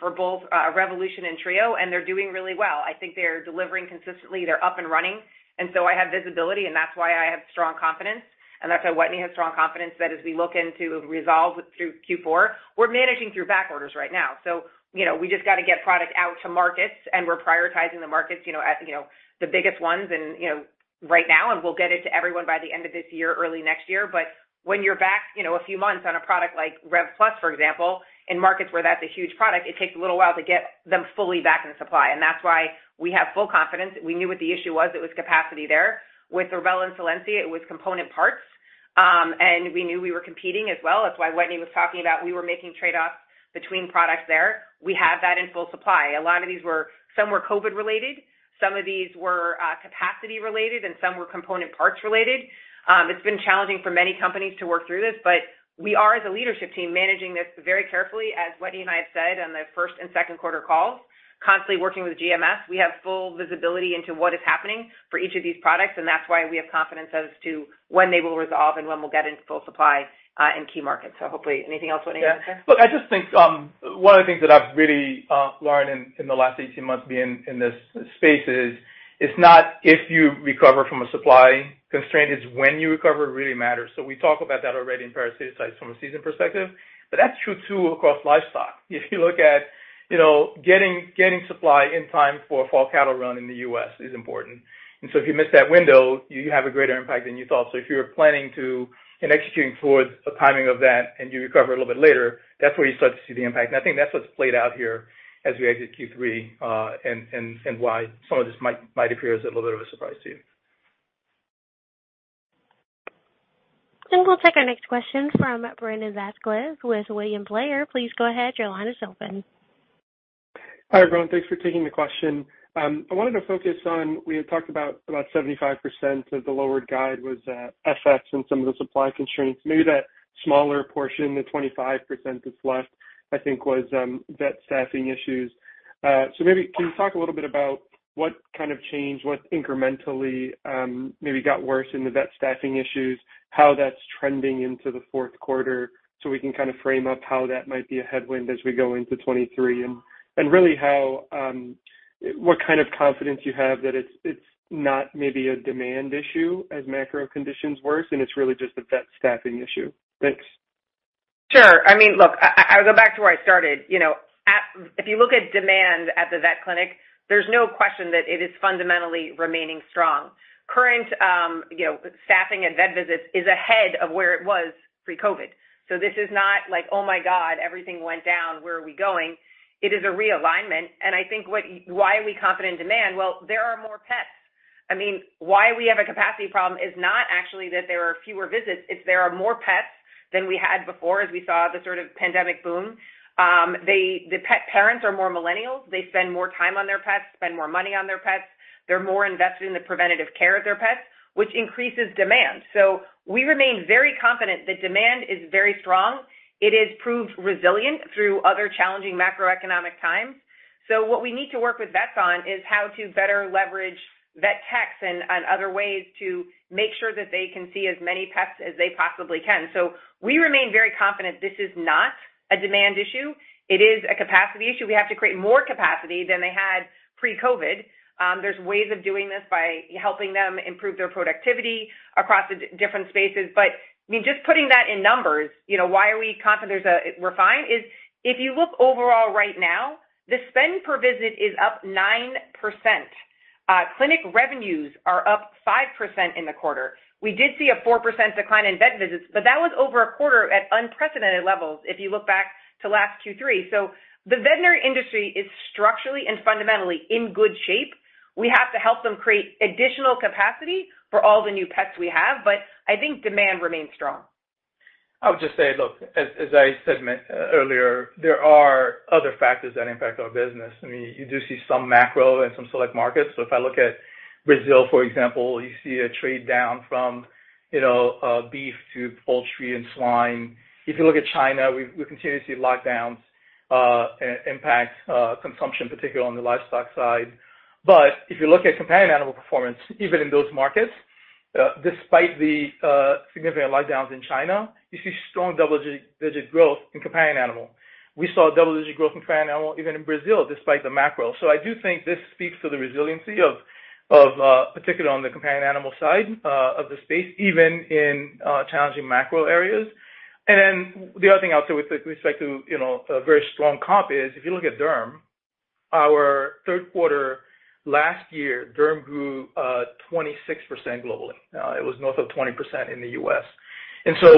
for both, Revolution and Trio, and they're doing really well. I think they're delivering consistently. They're up and running, and so I have visibility, and that's why I have strong confidence. That's why Wetteny has strong confidence that as we look to resolve through Q4, we're managing through back orders right now. You know, we just gotta get product out to markets, and we're prioritizing the markets, you know, as you know, the biggest ones and, you know, right now, and we'll get it to everyone by the end of this year, early next year. When you're back, you know, a few months on a product like Rev Plus, for example, in markets where that's a huge product, it takes a little while to get them fully back in supply. That's why we have full confidence. We knew what the issue was. It was capacity there. With Librela and Solensia, it was component parts. We knew we were competing as well. That's why Wetteny was talking about we were making trade-offs between products there. We have that in full supply. A lot of these were. Some were COVID-related, some of these were, capacity-related, and some were component parts-related. It's been challenging for many companies to work through this, but we are, as a leadership team, managing this very carefully, as Wetteny and I have said on the first and second quarter calls, constantly working with GMS. We have full visibility into what is happening for each of these products, and that's why we have confidence as to when they will resolve and when we'll get into full supply in key markets. Anything else, Wetteny, you wanna say? Yeah. Look, I just think one of the things that I've really learned in the last 18 months being in this space is, it's not if you recover from a supply constraint, it's when you recover really matters. We talk about that already in parasiticides from a season perspective, but that's true, too, across livestock. If you look at you know getting supply in time for a fall cattle run in the U.S. is important. If you miss that window, you have a greater impact than you thought. If you're planning to and executing towards a timing of that and you recover a little bit later, that's where you start to see the impact. I think that's what's played out here as we exit Q3, and why some of this might appear as a little bit of a surprise to you. We'll take our next question from Brandon Vazquez with William Blair. Please go ahead. Your line is open. Hi, everyone. Thanks for taking the question. I wanted to focus on, we had talked about 75% of the lowered guide was OpEx and some of the supply constraints. Maybe that smaller portion, the 25% that's left, I think, was vet staffing issues. So maybe can you talk a little bit about what kind of change, what incrementally maybe got worse in the vet staffing issues, how that's trending into the fourth quarter so we can kind of frame up how that might be a headwind as we go into 2023. Really, what kind of confidence you have that it's not maybe a demand issue as macro conditions worsen, and it's really just a vet staffing issue. Thanks. Sure. I mean, look, I'll go back to where I started. You know, if you look at demand at the vet clinic, there's no question that it is fundamentally remaining strong. Current, you know, staffing and vet visits is ahead of where it was pre-COVID. This is not like, "Oh my God, everything went down. Where are we going?" It is a realignment. I think why are we confident in demand? Well, there are more pets. I mean, why we have a capacity problem is not actually that there are fewer visits. It's there are more pets than we had before, as we saw the sort of pandemic boom. The pet parents are more millennials. They spend more time on their pets, spend more money on their pets. They're more invested in the preventative care of their pets, which increases demand. We remain very confident that demand is very strong. It has proved resilient through other challenging macroeconomic times. What we need to work with vets on is how to better leverage vet techs and other ways to make sure that they can see as many pets as they possibly can. We remain very confident this is not a demand issue. It is a capacity issue. We have to create more capacity than they had pre-COVID. There's ways of doing this by helping them improve their productivity across the different spaces. I mean, just putting that in numbers, you know, why are we confident we're fine? If you look overall right now, the spend per visit is up 9%. Clinic revenues are up 5% in the quarter. We did see a 4% decline in vet visits, but that was over a quarter at unprecedented levels if you look back to last Q3. The veterinary industry is structurally and fundamentally in good shape. We have to help them create additional capacity for all the new pets we have, but I think demand remains strong. I would just say, look, as I said earlier, there are other factors that impact our business. I mean, you do see some macro in some select markets. If I look at Brazil, for example, you see a trade-down from beef to poultry and swine. If you look at China, we continue to see lockdowns, impact consumption, particularly on the livestock side. If you look at companion animal performance, even in those markets, despite the significant lockdowns in China, you see strong double-digit growth in companion animal. We saw double-digit growth in companion animal even in Brazil, despite the macro. I do think this speaks to the resiliency of, particularly on the companion animal side, of the space, even in challenging macro areas. The other thing I'll say with respect to, you know, a very strong comp is if you look at derm. Our third quarter last year, derm grew 26% globally. It was north of 20% in the U.S.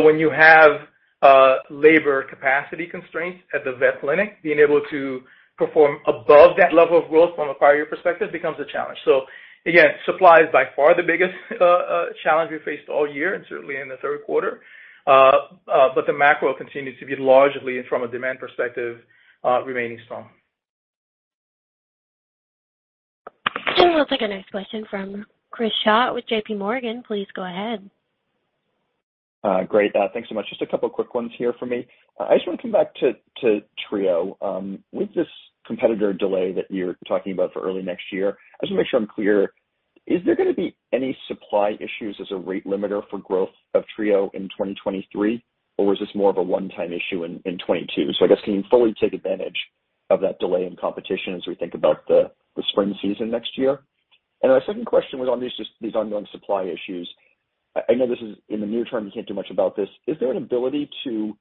When you have labor capacity constraints at the vet clinic, being able to perform above that level of growth from a prior year perspective becomes a challenge. Supply is by far the biggest challenge we faced all year and certainly in the third quarter. But the macro continues to be largely from a demand perspective remaining strong. We'll take our next question from Chris Schott with JPMorgan. Please go ahead. Great. Thanks so much. Just a couple of quick ones here for me. I just wanna come back to Trio. With this competitor delay that you're talking about for early next year, I just wanna make sure I'm clear. Is there gonna be any supply issues as a rate limiter for growth of Trio in 2023, or is this more of a one-time issue in 2022? I guess, can you fully take advantage of that delay in competition as we think about the spring season next year? Our second question was on these ongoing supply issues. I know this is in the near term, you can't do much about this. Is there an ability to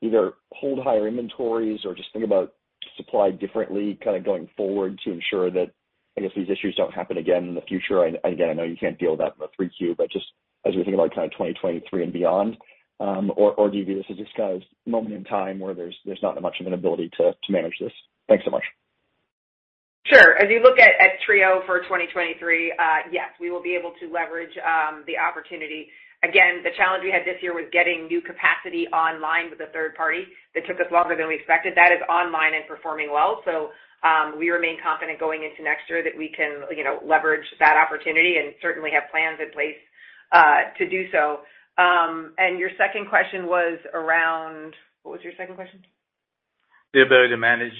either hold higher inventories or just think about supply differently kinda going forward to ensure that, I guess, these issues don't happen again in the future? Again, I know you can't deal with that in the 3Q, but just as we think about kind of 2023 and beyond, or do you view this as just a moment in time where there's not much of an ability to manage this? Thanks so much. Sure. As you look at Trio for 2023, yes, we will be able to leverage the opportunity. Again, the challenge we had this year was getting new capacity online with a third party that took us longer than we expected. That is online and performing well. We remain confident going into next year that we can, you know, leverage that opportunity and certainly have plans in place to do so. Your second question was around. What was your second question? The ability to manage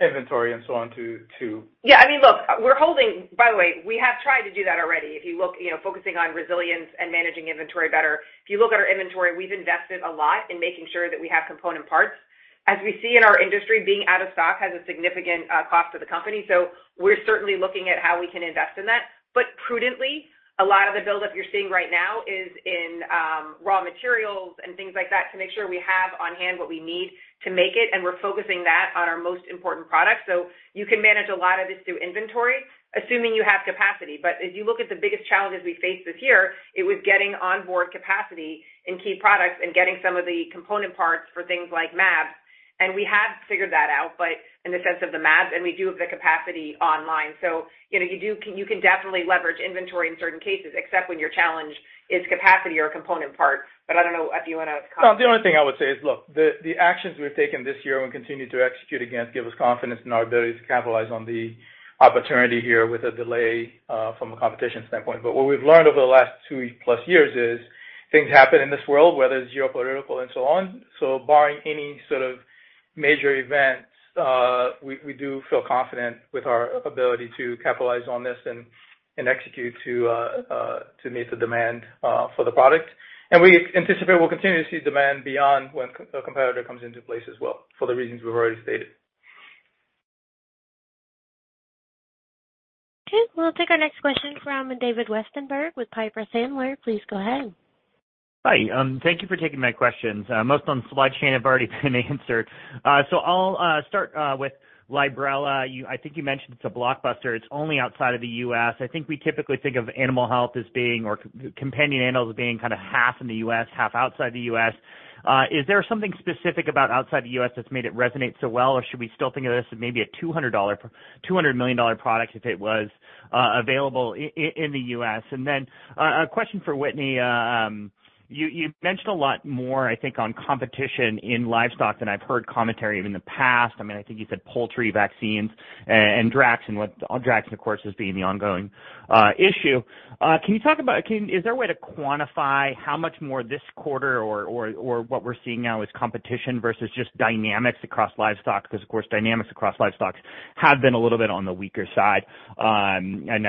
inventory and so on to. Yeah, I mean, look. By the way, we have tried to do that already. If you look, you know, focusing on resilience and managing inventory better. If you look at our inventory, we've invested a lot in making sure that we have component parts. As we see in our industry, being out of stock has a significant cost to the company. We're certainly looking at how we can invest in that. Prudently, a lot of the buildup you're seeing right now is in raw materials and things like that to make sure we have on hand what we need to make it, and we're focusing that on our most important products. You can manage a lot of this through inventory, assuming you have capacity. As you look at the biggest challenges we faced this year, it was getting onboard capacity in key products and getting some of the component parts for things like mAbs. We have figured that out, but in the sense of the mAbs, and we do have the capacity online. You know, you can definitely leverage inventory in certain cases, except when your challenge is capacity or component parts. I don't know if you wanna comment. No, the only thing I would say is, look, the actions we've taken this year and continue to execute against give us confidence in our ability to capitalize on the opportunity here with a delay from a competition standpoint. What we've learned over the last two plus years is things happen in this world, whether it's geopolitical and so on. Barring any sort of major events, we do feel confident with our ability to capitalize on this and execute to meet the demand for the product. We anticipate we'll continue to see demand beyond when a competitor comes into place as well for the reasons we've already stated. Okay. We'll take our next question from David Westenberg with Piper Sandler. Please go ahead. Hi. Thank you for taking my questions. Most on supply chain have already been answered. So I'll start with Librela. I think you mentioned it's a blockbuster. It's only outside of the U.S. I think we typically think of animal health as being or companion animals being kinda half in the U.S., half outside the U.S. Is there something specific about outside the U.S. that's made it resonate so well, or should we still think of this as maybe a $200 million product if it was available in the U.S.? And then a question for Wetteny. You've mentioned a lot more, I think, on competition in livestock than I've heard commentary even in the past. I mean, I think you said poultry vaccines and DRAXXIN, of course, as being the ongoing issue. Is there a way to quantify how much more this quarter or what we're seeing now is competition versus just dynamics across livestock? Because, of course, dynamics across livestock have been a little bit on the weaker side. I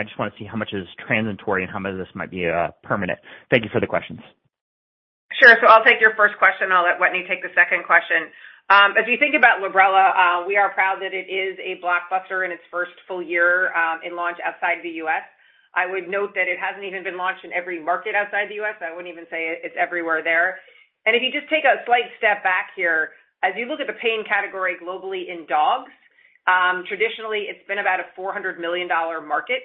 just wanna see how much is transitory and how much of this might be permanent. Thank you for the questions. Sure. I'll take your first question. I'll let Wetteny take the second question. If you think about Librela, we are proud that it is a blockbuster in its first full year in launch outside the U.S. I would note that it hasn't even been launched in every market outside the U.S. I wouldn't even say it's everywhere there. If you just take a slight step back here, as you look at the pain category globally in dogs, traditionally it's been about a $400 million market.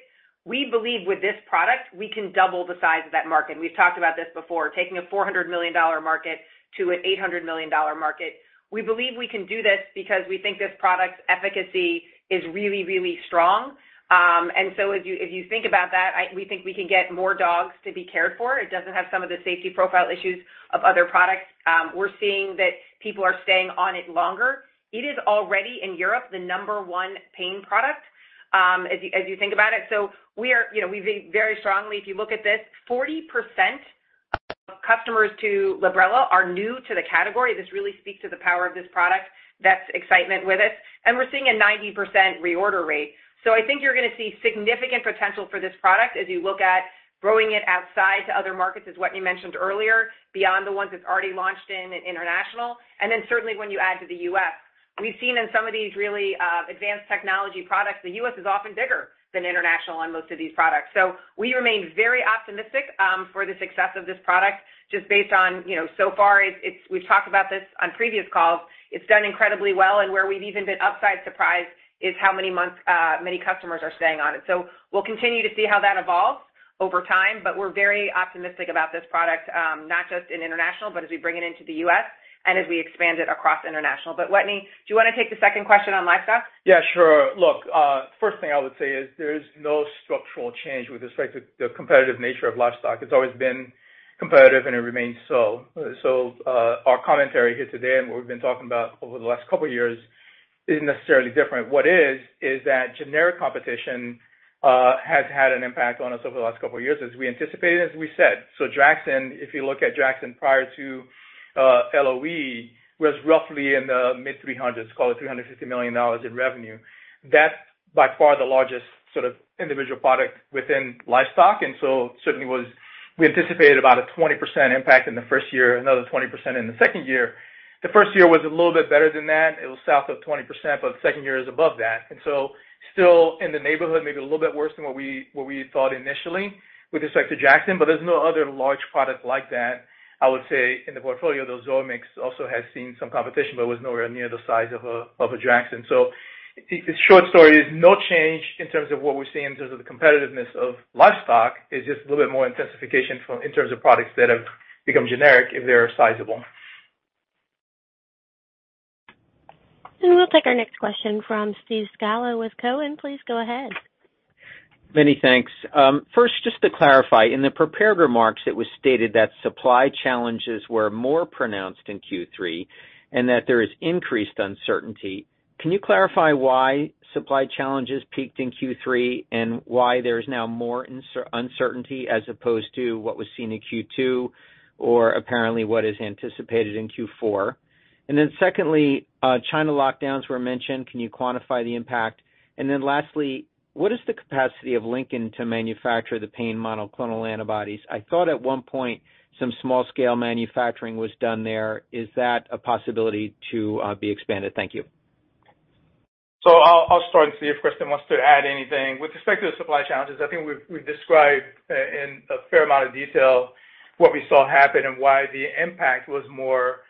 We believe with this product, we can double the size of that market. We've talked about this before, taking a $400 million market to an $800 million market. We believe we can do this because we think this product's efficacy is really, really strong. If you think about that, we think we can get more dogs to be cared for. It doesn't have some of the safety profile issues of other products. We're seeing that people are staying on it longer. It is already in Europe, the number one pain product, as you think about it. You know, we think very strongly, if you look at this, 40% of customers to Librela are new to the category. This really speaks to the power of this product. That's excitement with it. We're seeing a 90% reorder rate. I think you're gonna see significant potential for this product as you look at growing it outside to other markets, as Wetteny mentioned earlier, beyond the ones it's already launched in international. Certainly when you add to the U.S. We've seen in some of these really advanced technology products, the U.S. is often bigger than international on most of these products. We remain very optimistic for the success of this product just based on, you know, so far it's we've talked about this on previous calls. It's done incredibly well, and where we've even been upside surprised is how many months many customers are staying on it. We'll continue to see how that evolves over time. We're very optimistic about this product, not just in international, but as we bring it into the U.S. and as we expand it across international. Wetteny, do you wanna take the second question on livestock? Yeah, sure. Look, first thing I would say is there is no structural change with respect to the competitive nature of livestock. It's always been competitive, and it remains so. Our commentary here today and what we've been talking about over the last couple years isn't necessarily different. What is that generic competition has had an impact on us over the last couple years as we anticipated, as we said. So, DRAXXIN, if you look at DRAXXIN prior to LOE, was roughly in the mid-300s, call it $350 million in revenue. That's by far the largest sort of individual product within livestock, and so certainly was. We anticipated about a 20% impact in the first year, another 20% in the second year. The first year was a little bit better than that. It was south of 20%, but the second year is above that. Still in the neighborhood, maybe a little bit worse than what we had thought initially with respect to DRAXXIN, but there's no other large product like that, I would say, in the portfolio, though Zoamix also has seen some competition, but was nowhere near the size of a DRAXXIN. The short story is no change in terms of what we're seeing in terms of the competitiveness of livestock. It's just a little bit more intensification from in terms of products that have become generic if they are sizable. We'll take our next question from Steve Scala with Cowen. Please go ahead. Many thanks. First, just to clarify, in the prepared remarks, it was stated that supply challenges were more pronounced in Q3 and that there is increased uncertainty. Can you clarify why supply challenges peaked in Q3 and why there is now more uncertainty as opposed to what was seen in Q2 or apparently what is anticipated in Q4? Secondly, China lockdowns were mentioned. Can you quantify the impact? Lastly, what is the capacity of Lincoln to manufacture the pain monoclonal antibodies? I thought at one point some small scale manufacturing was done there. Is that a possibility to be expanded? Thank you. I'll start and see if Kristin wants to add anything. With respect to the supply challenges, I think we've described in a fair amount of detail what we saw happen and why the impact was more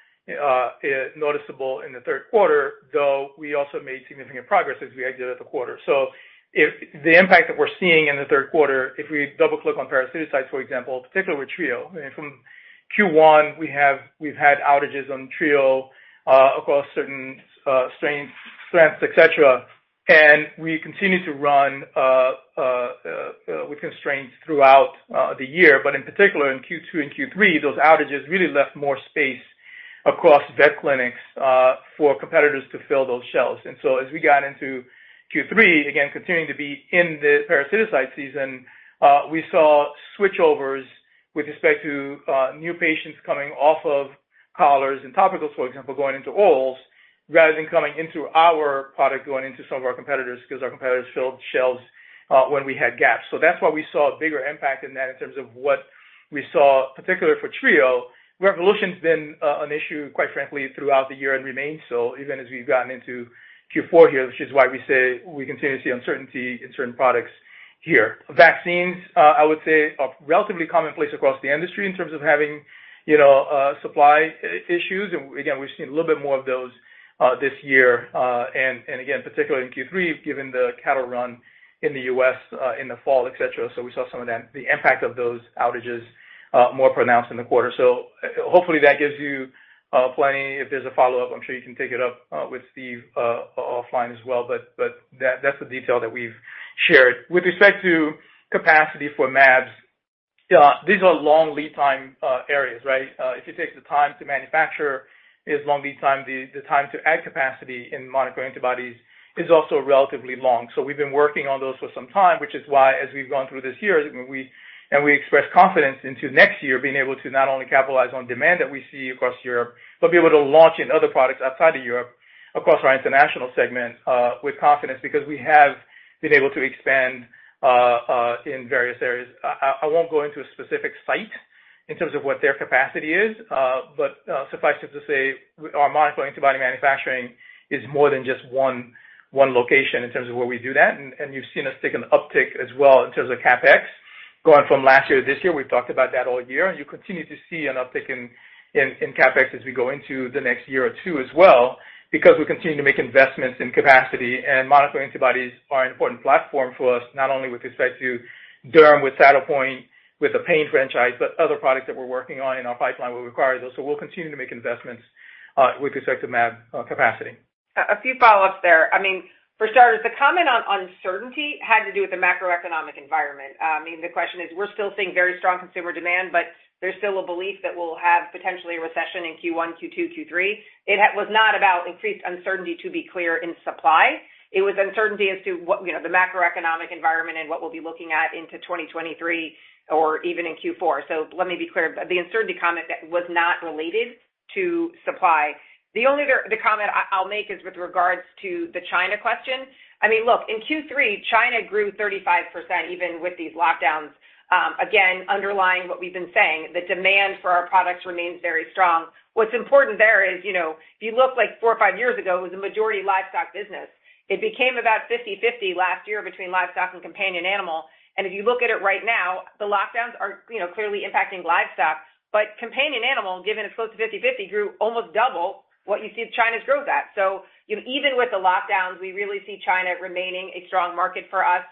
noticeable in the third quarter, though we also made significant progress as we exited the quarter. If the impact that we're seeing in the third quarter, if we double-click on parasiticides, for example, particularly with Trio. From Q1, we've had outages on Trio across certain strains, strengths, et cetera, and we continue to run with constraints throughout the year. In particular in Q2 and Q3, those outages really left more space across vet clinics for competitors to fill those shelves. As we got into Q3, again, continuing to be in the parasiticide season, we saw switchovers with respect to new patients coming off of collars and topicals, for example, going into orals rather than coming into our product, going into some of our competitors because our competitors filled shelves when we had gaps. So that's why we saw a bigger impact in that in terms of what we saw, particularly for Trio. Revolution's been an issue, quite frankly, throughout the year and remains so even as we've gotten into Q4 here, which is why we say we continue to see uncertainty in certain products here. Vaccines, I would say are relatively commonplace across the industry in terms of having, you know, supply issues. Again, we've seen a little bit more of those this year. Again, particularly in Q3, given the cattle run in the U.S., in the fall, et cetera. We saw some of that, the impact of those outages, more pronounced in the quarter. Hopefully that gives you plenty. If there's a follow-up, I'm sure you can take it up with Steve offline as well, but that's the detail that we've shared. With respect to capacity for mAbs, these are long lead time areas, right? If it takes the time to manufacture is long lead time, the time to add capacity in monoclonal antibodies is also relatively long. We've been working on those for some time, which is why, as we've gone through this year, we express confidence into next year being able to not only capitalize on demand that we see across Europe, but be able to launch in other products outside of Europe, across our international segment, with confidence because we have been able to expand in various areas. I won't go into a specific site in terms of what their capacity is, but suffice it to say our monoclonal antibody manufacturing is more than just one location in terms of where we do that. You've seen us take an uptick as well in terms of CapEx going from last year to this year. We've talked about that all year, and you continue to see an uptick in CapEx as we go into the next year or two as well because we continue to make investments in capacity. Monoclonal antibodies are an important platform for us, not only with respect to derm, with Cytopoint, with the pain franchise, but other products that we're working on in our pipeline will require those. We'll continue to make investments with respect to mAb capacity. A few follow-ups there. I mean, for starters, the comment on uncertainty had to do with the macroeconomic environment. I mean, the question is we're still seeing very strong consumer demand, but there's still a belief that we'll have potentially a recession in Q1, Q2, Q3. It was not about increased uncertainty, to be clear, in supply. It was uncertainty as to what, you know, the macroeconomic environment and what we'll be looking at into 2023 or even in Q4. Let me be clear. The uncertainty comment that was not related to supply. The only other comment I'll make is with regards to the China question. I mean, look, in Q3, China grew 35% even with these lockdowns. Again, underlying what we've been saying, the demand for our products remains very strong. What's important there is, you know, if you look like four or five years ago, it was a majority livestock business. It became about 50/50 last year between livestock and companion animal. If you look at it right now, the lockdowns are, you know, clearly impacting livestock. Companion animal, given it's close to 50/50, grew almost double what you see China's growth at. Even with the lockdowns, we really see China remaining a strong market for us,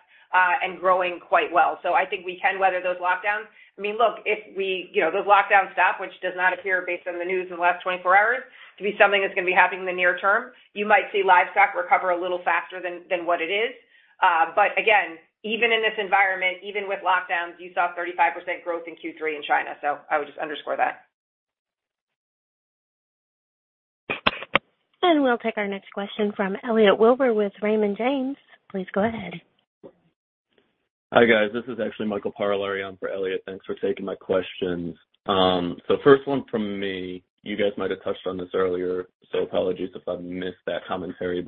and growing quite well. I think we can weather those lockdowns. I mean, look, you know, those lockdowns stop, which does not appear based on the news in the last 24 hours to be something that's gonna be happening in the near term, you might see livestock recover a little faster than what it is. Again, even in this environment, even with lockdowns, you saw 35% growth in Q3 in China, so I would just underscore that. We'll take our next question from Elliot Wilbur with Raymond James. Please go ahead. Hi, guys. This is actually Michael Parolari for Elliot. Thanks for taking my questions. First one from me, you guys might have touched on this earlier, so apologies if I missed that commentary.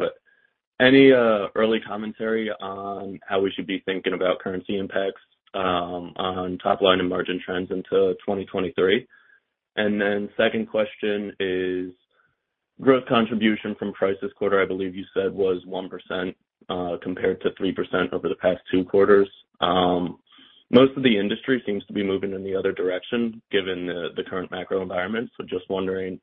Any early commentary on how we should be thinking about currency impacts on top line and margin trends into 2023? Then second question is growth contribution from price this quarter, I believe you said, was 1%, compared to 3% over the past two quarters. Most of the industry seems to be moving in the other direction given the current macro environment. Just wondering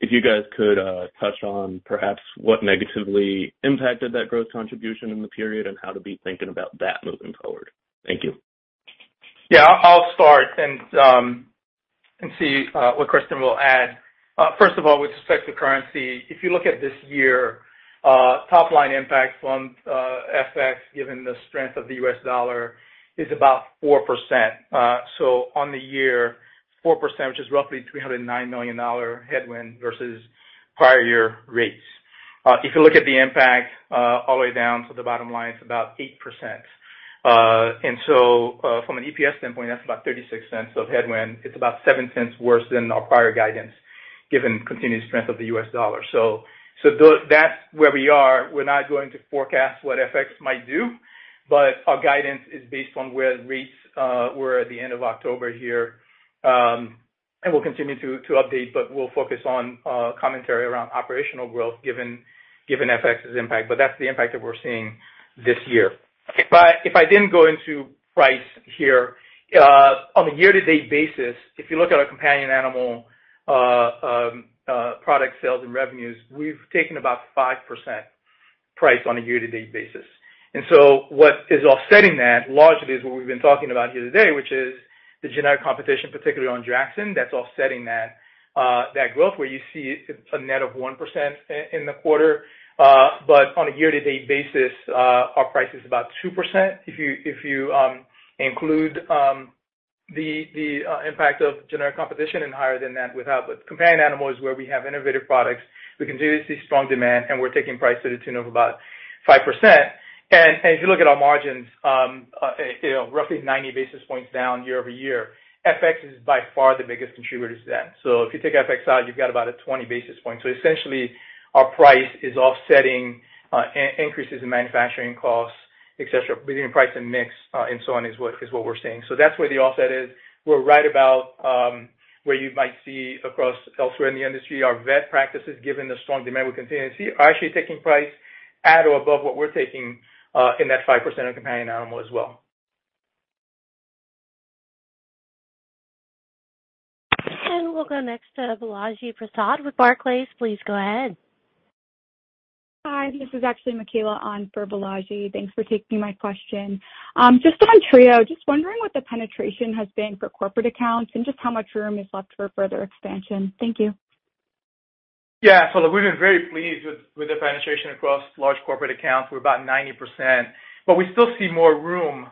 if you guys could touch on perhaps what negatively impacted that growth contribution in the period and how to be thinking about that moving forward. Thank you. Yeah, I'll start and see what Kristin will add. First of all, with respect to currency, if you look at this year, top line impact from FX, given the strength of the U.S. dollar is about 4%. So on the year, 4%, which is roughly $309 million headwind versus prior year rates. If you look at the impact all the way down to the bottom line, it's about 8%. From an EPS standpoint, that's about $0.36 of headwind. It's about $0.07 worse than our prior guidance, given continued strength of the U.S. dollar. That's where we are. We're not going to forecast what FX might do, but our guidance is based on where rates were at the end of October here. We'll continue to update, but we'll focus on commentary around operational growth given FX's impact. That's the impact that we're seeing this year. If I didn't go into price here, on a year-to-date basis, if you look at our companion animal product sales and revenues, we've taken about 5% price on a year-to-date basis. What is offsetting that largely is what we've been talking about here today, which is the generic competition, particularly on DRAXXIN, that's offsetting that growth, where you see a net of 1% in the quarter. On a year-to-date basis, our price is about 2%. If you include the impact of generic competition and higher than that without. But companion animal is where we have innovative products. We continuously see strong demand, and we're taking price to the tune of about 5%. If you look at our margins, you know, roughly 90 basis points down year-over-year. FX is by far the biggest contributor to that. If you take FX out, you've got about a 20 basis point. Essentially, our price is offsetting increases in manufacturing costs, et cetera, between price and mix, and so on is what we're seeing. That's where the offset is. We're right about where you might see across elsewhere in the industry. Our vet practices, given the strong demand we continue to see, are actually taking price at or above what we're taking in that 5% in companion animal as well. We'll go next to Balaji Prasad with Barclays. Please go ahead. Hi, this is actually Mikaela on for Balaji. Thanks for taking my question. Just on Trio, just wondering what the penetration has been for corporate accounts and just how much room is left for further expansion. Thank you. Yeah. Look, we've been very pleased with the penetration across large corporate accounts. We're about 90%, but we still see more room,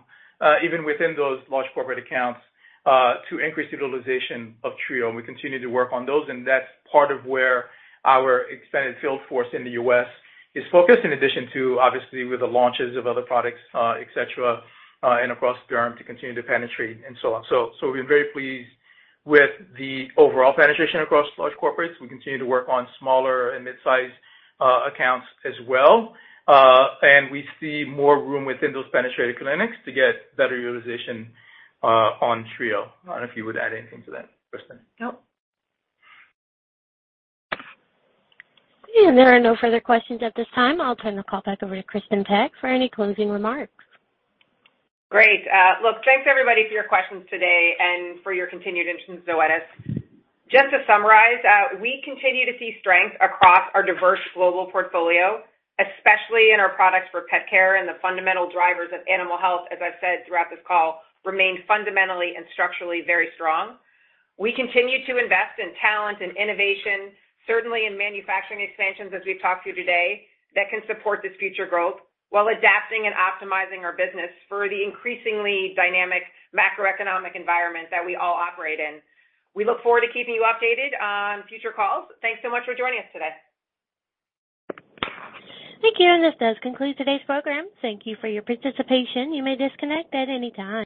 even within those large corporate accounts, to increase utilization of Trio. We continue to work on those, and that's part of where our expanded field force in the U.S. is focused, in addition to obviously with the launches of other products, et cetera, and across derm to continue to penetrate and so on. We've been very pleased with the overall penetration across large corporates. We continue to work on smaller and mid-size accounts as well. We see more room within those penetrated clinics to get better utilization on Trio. I don't know if you would add anything to that, Kristin. Nope. There are no further questions at this time. I'll turn the call back over to Kristin Peck for any closing remarks. Great. Look, thanks everybody for your questions today and for your continued interest in Zoetis. Just to summarize, we continue to see strength across our diverse global portfolio, especially in our products for pet care and the fundamental drivers of animal health, as I've said throughout this call, remain fundamentally and structurally very strong. We continue to invest in talent and innovation, certainly in manufacturing expansions as we've talked to you today, that can support this future growth while adapting and optimizing our business for the increasingly dynamic macroeconomic environment that we all operate in. We look forward to keeping you updated on future calls. Thanks so much for joining us today. Thank you, and this does conclude today's program. Thank you for your participation. You may disconnect at any time.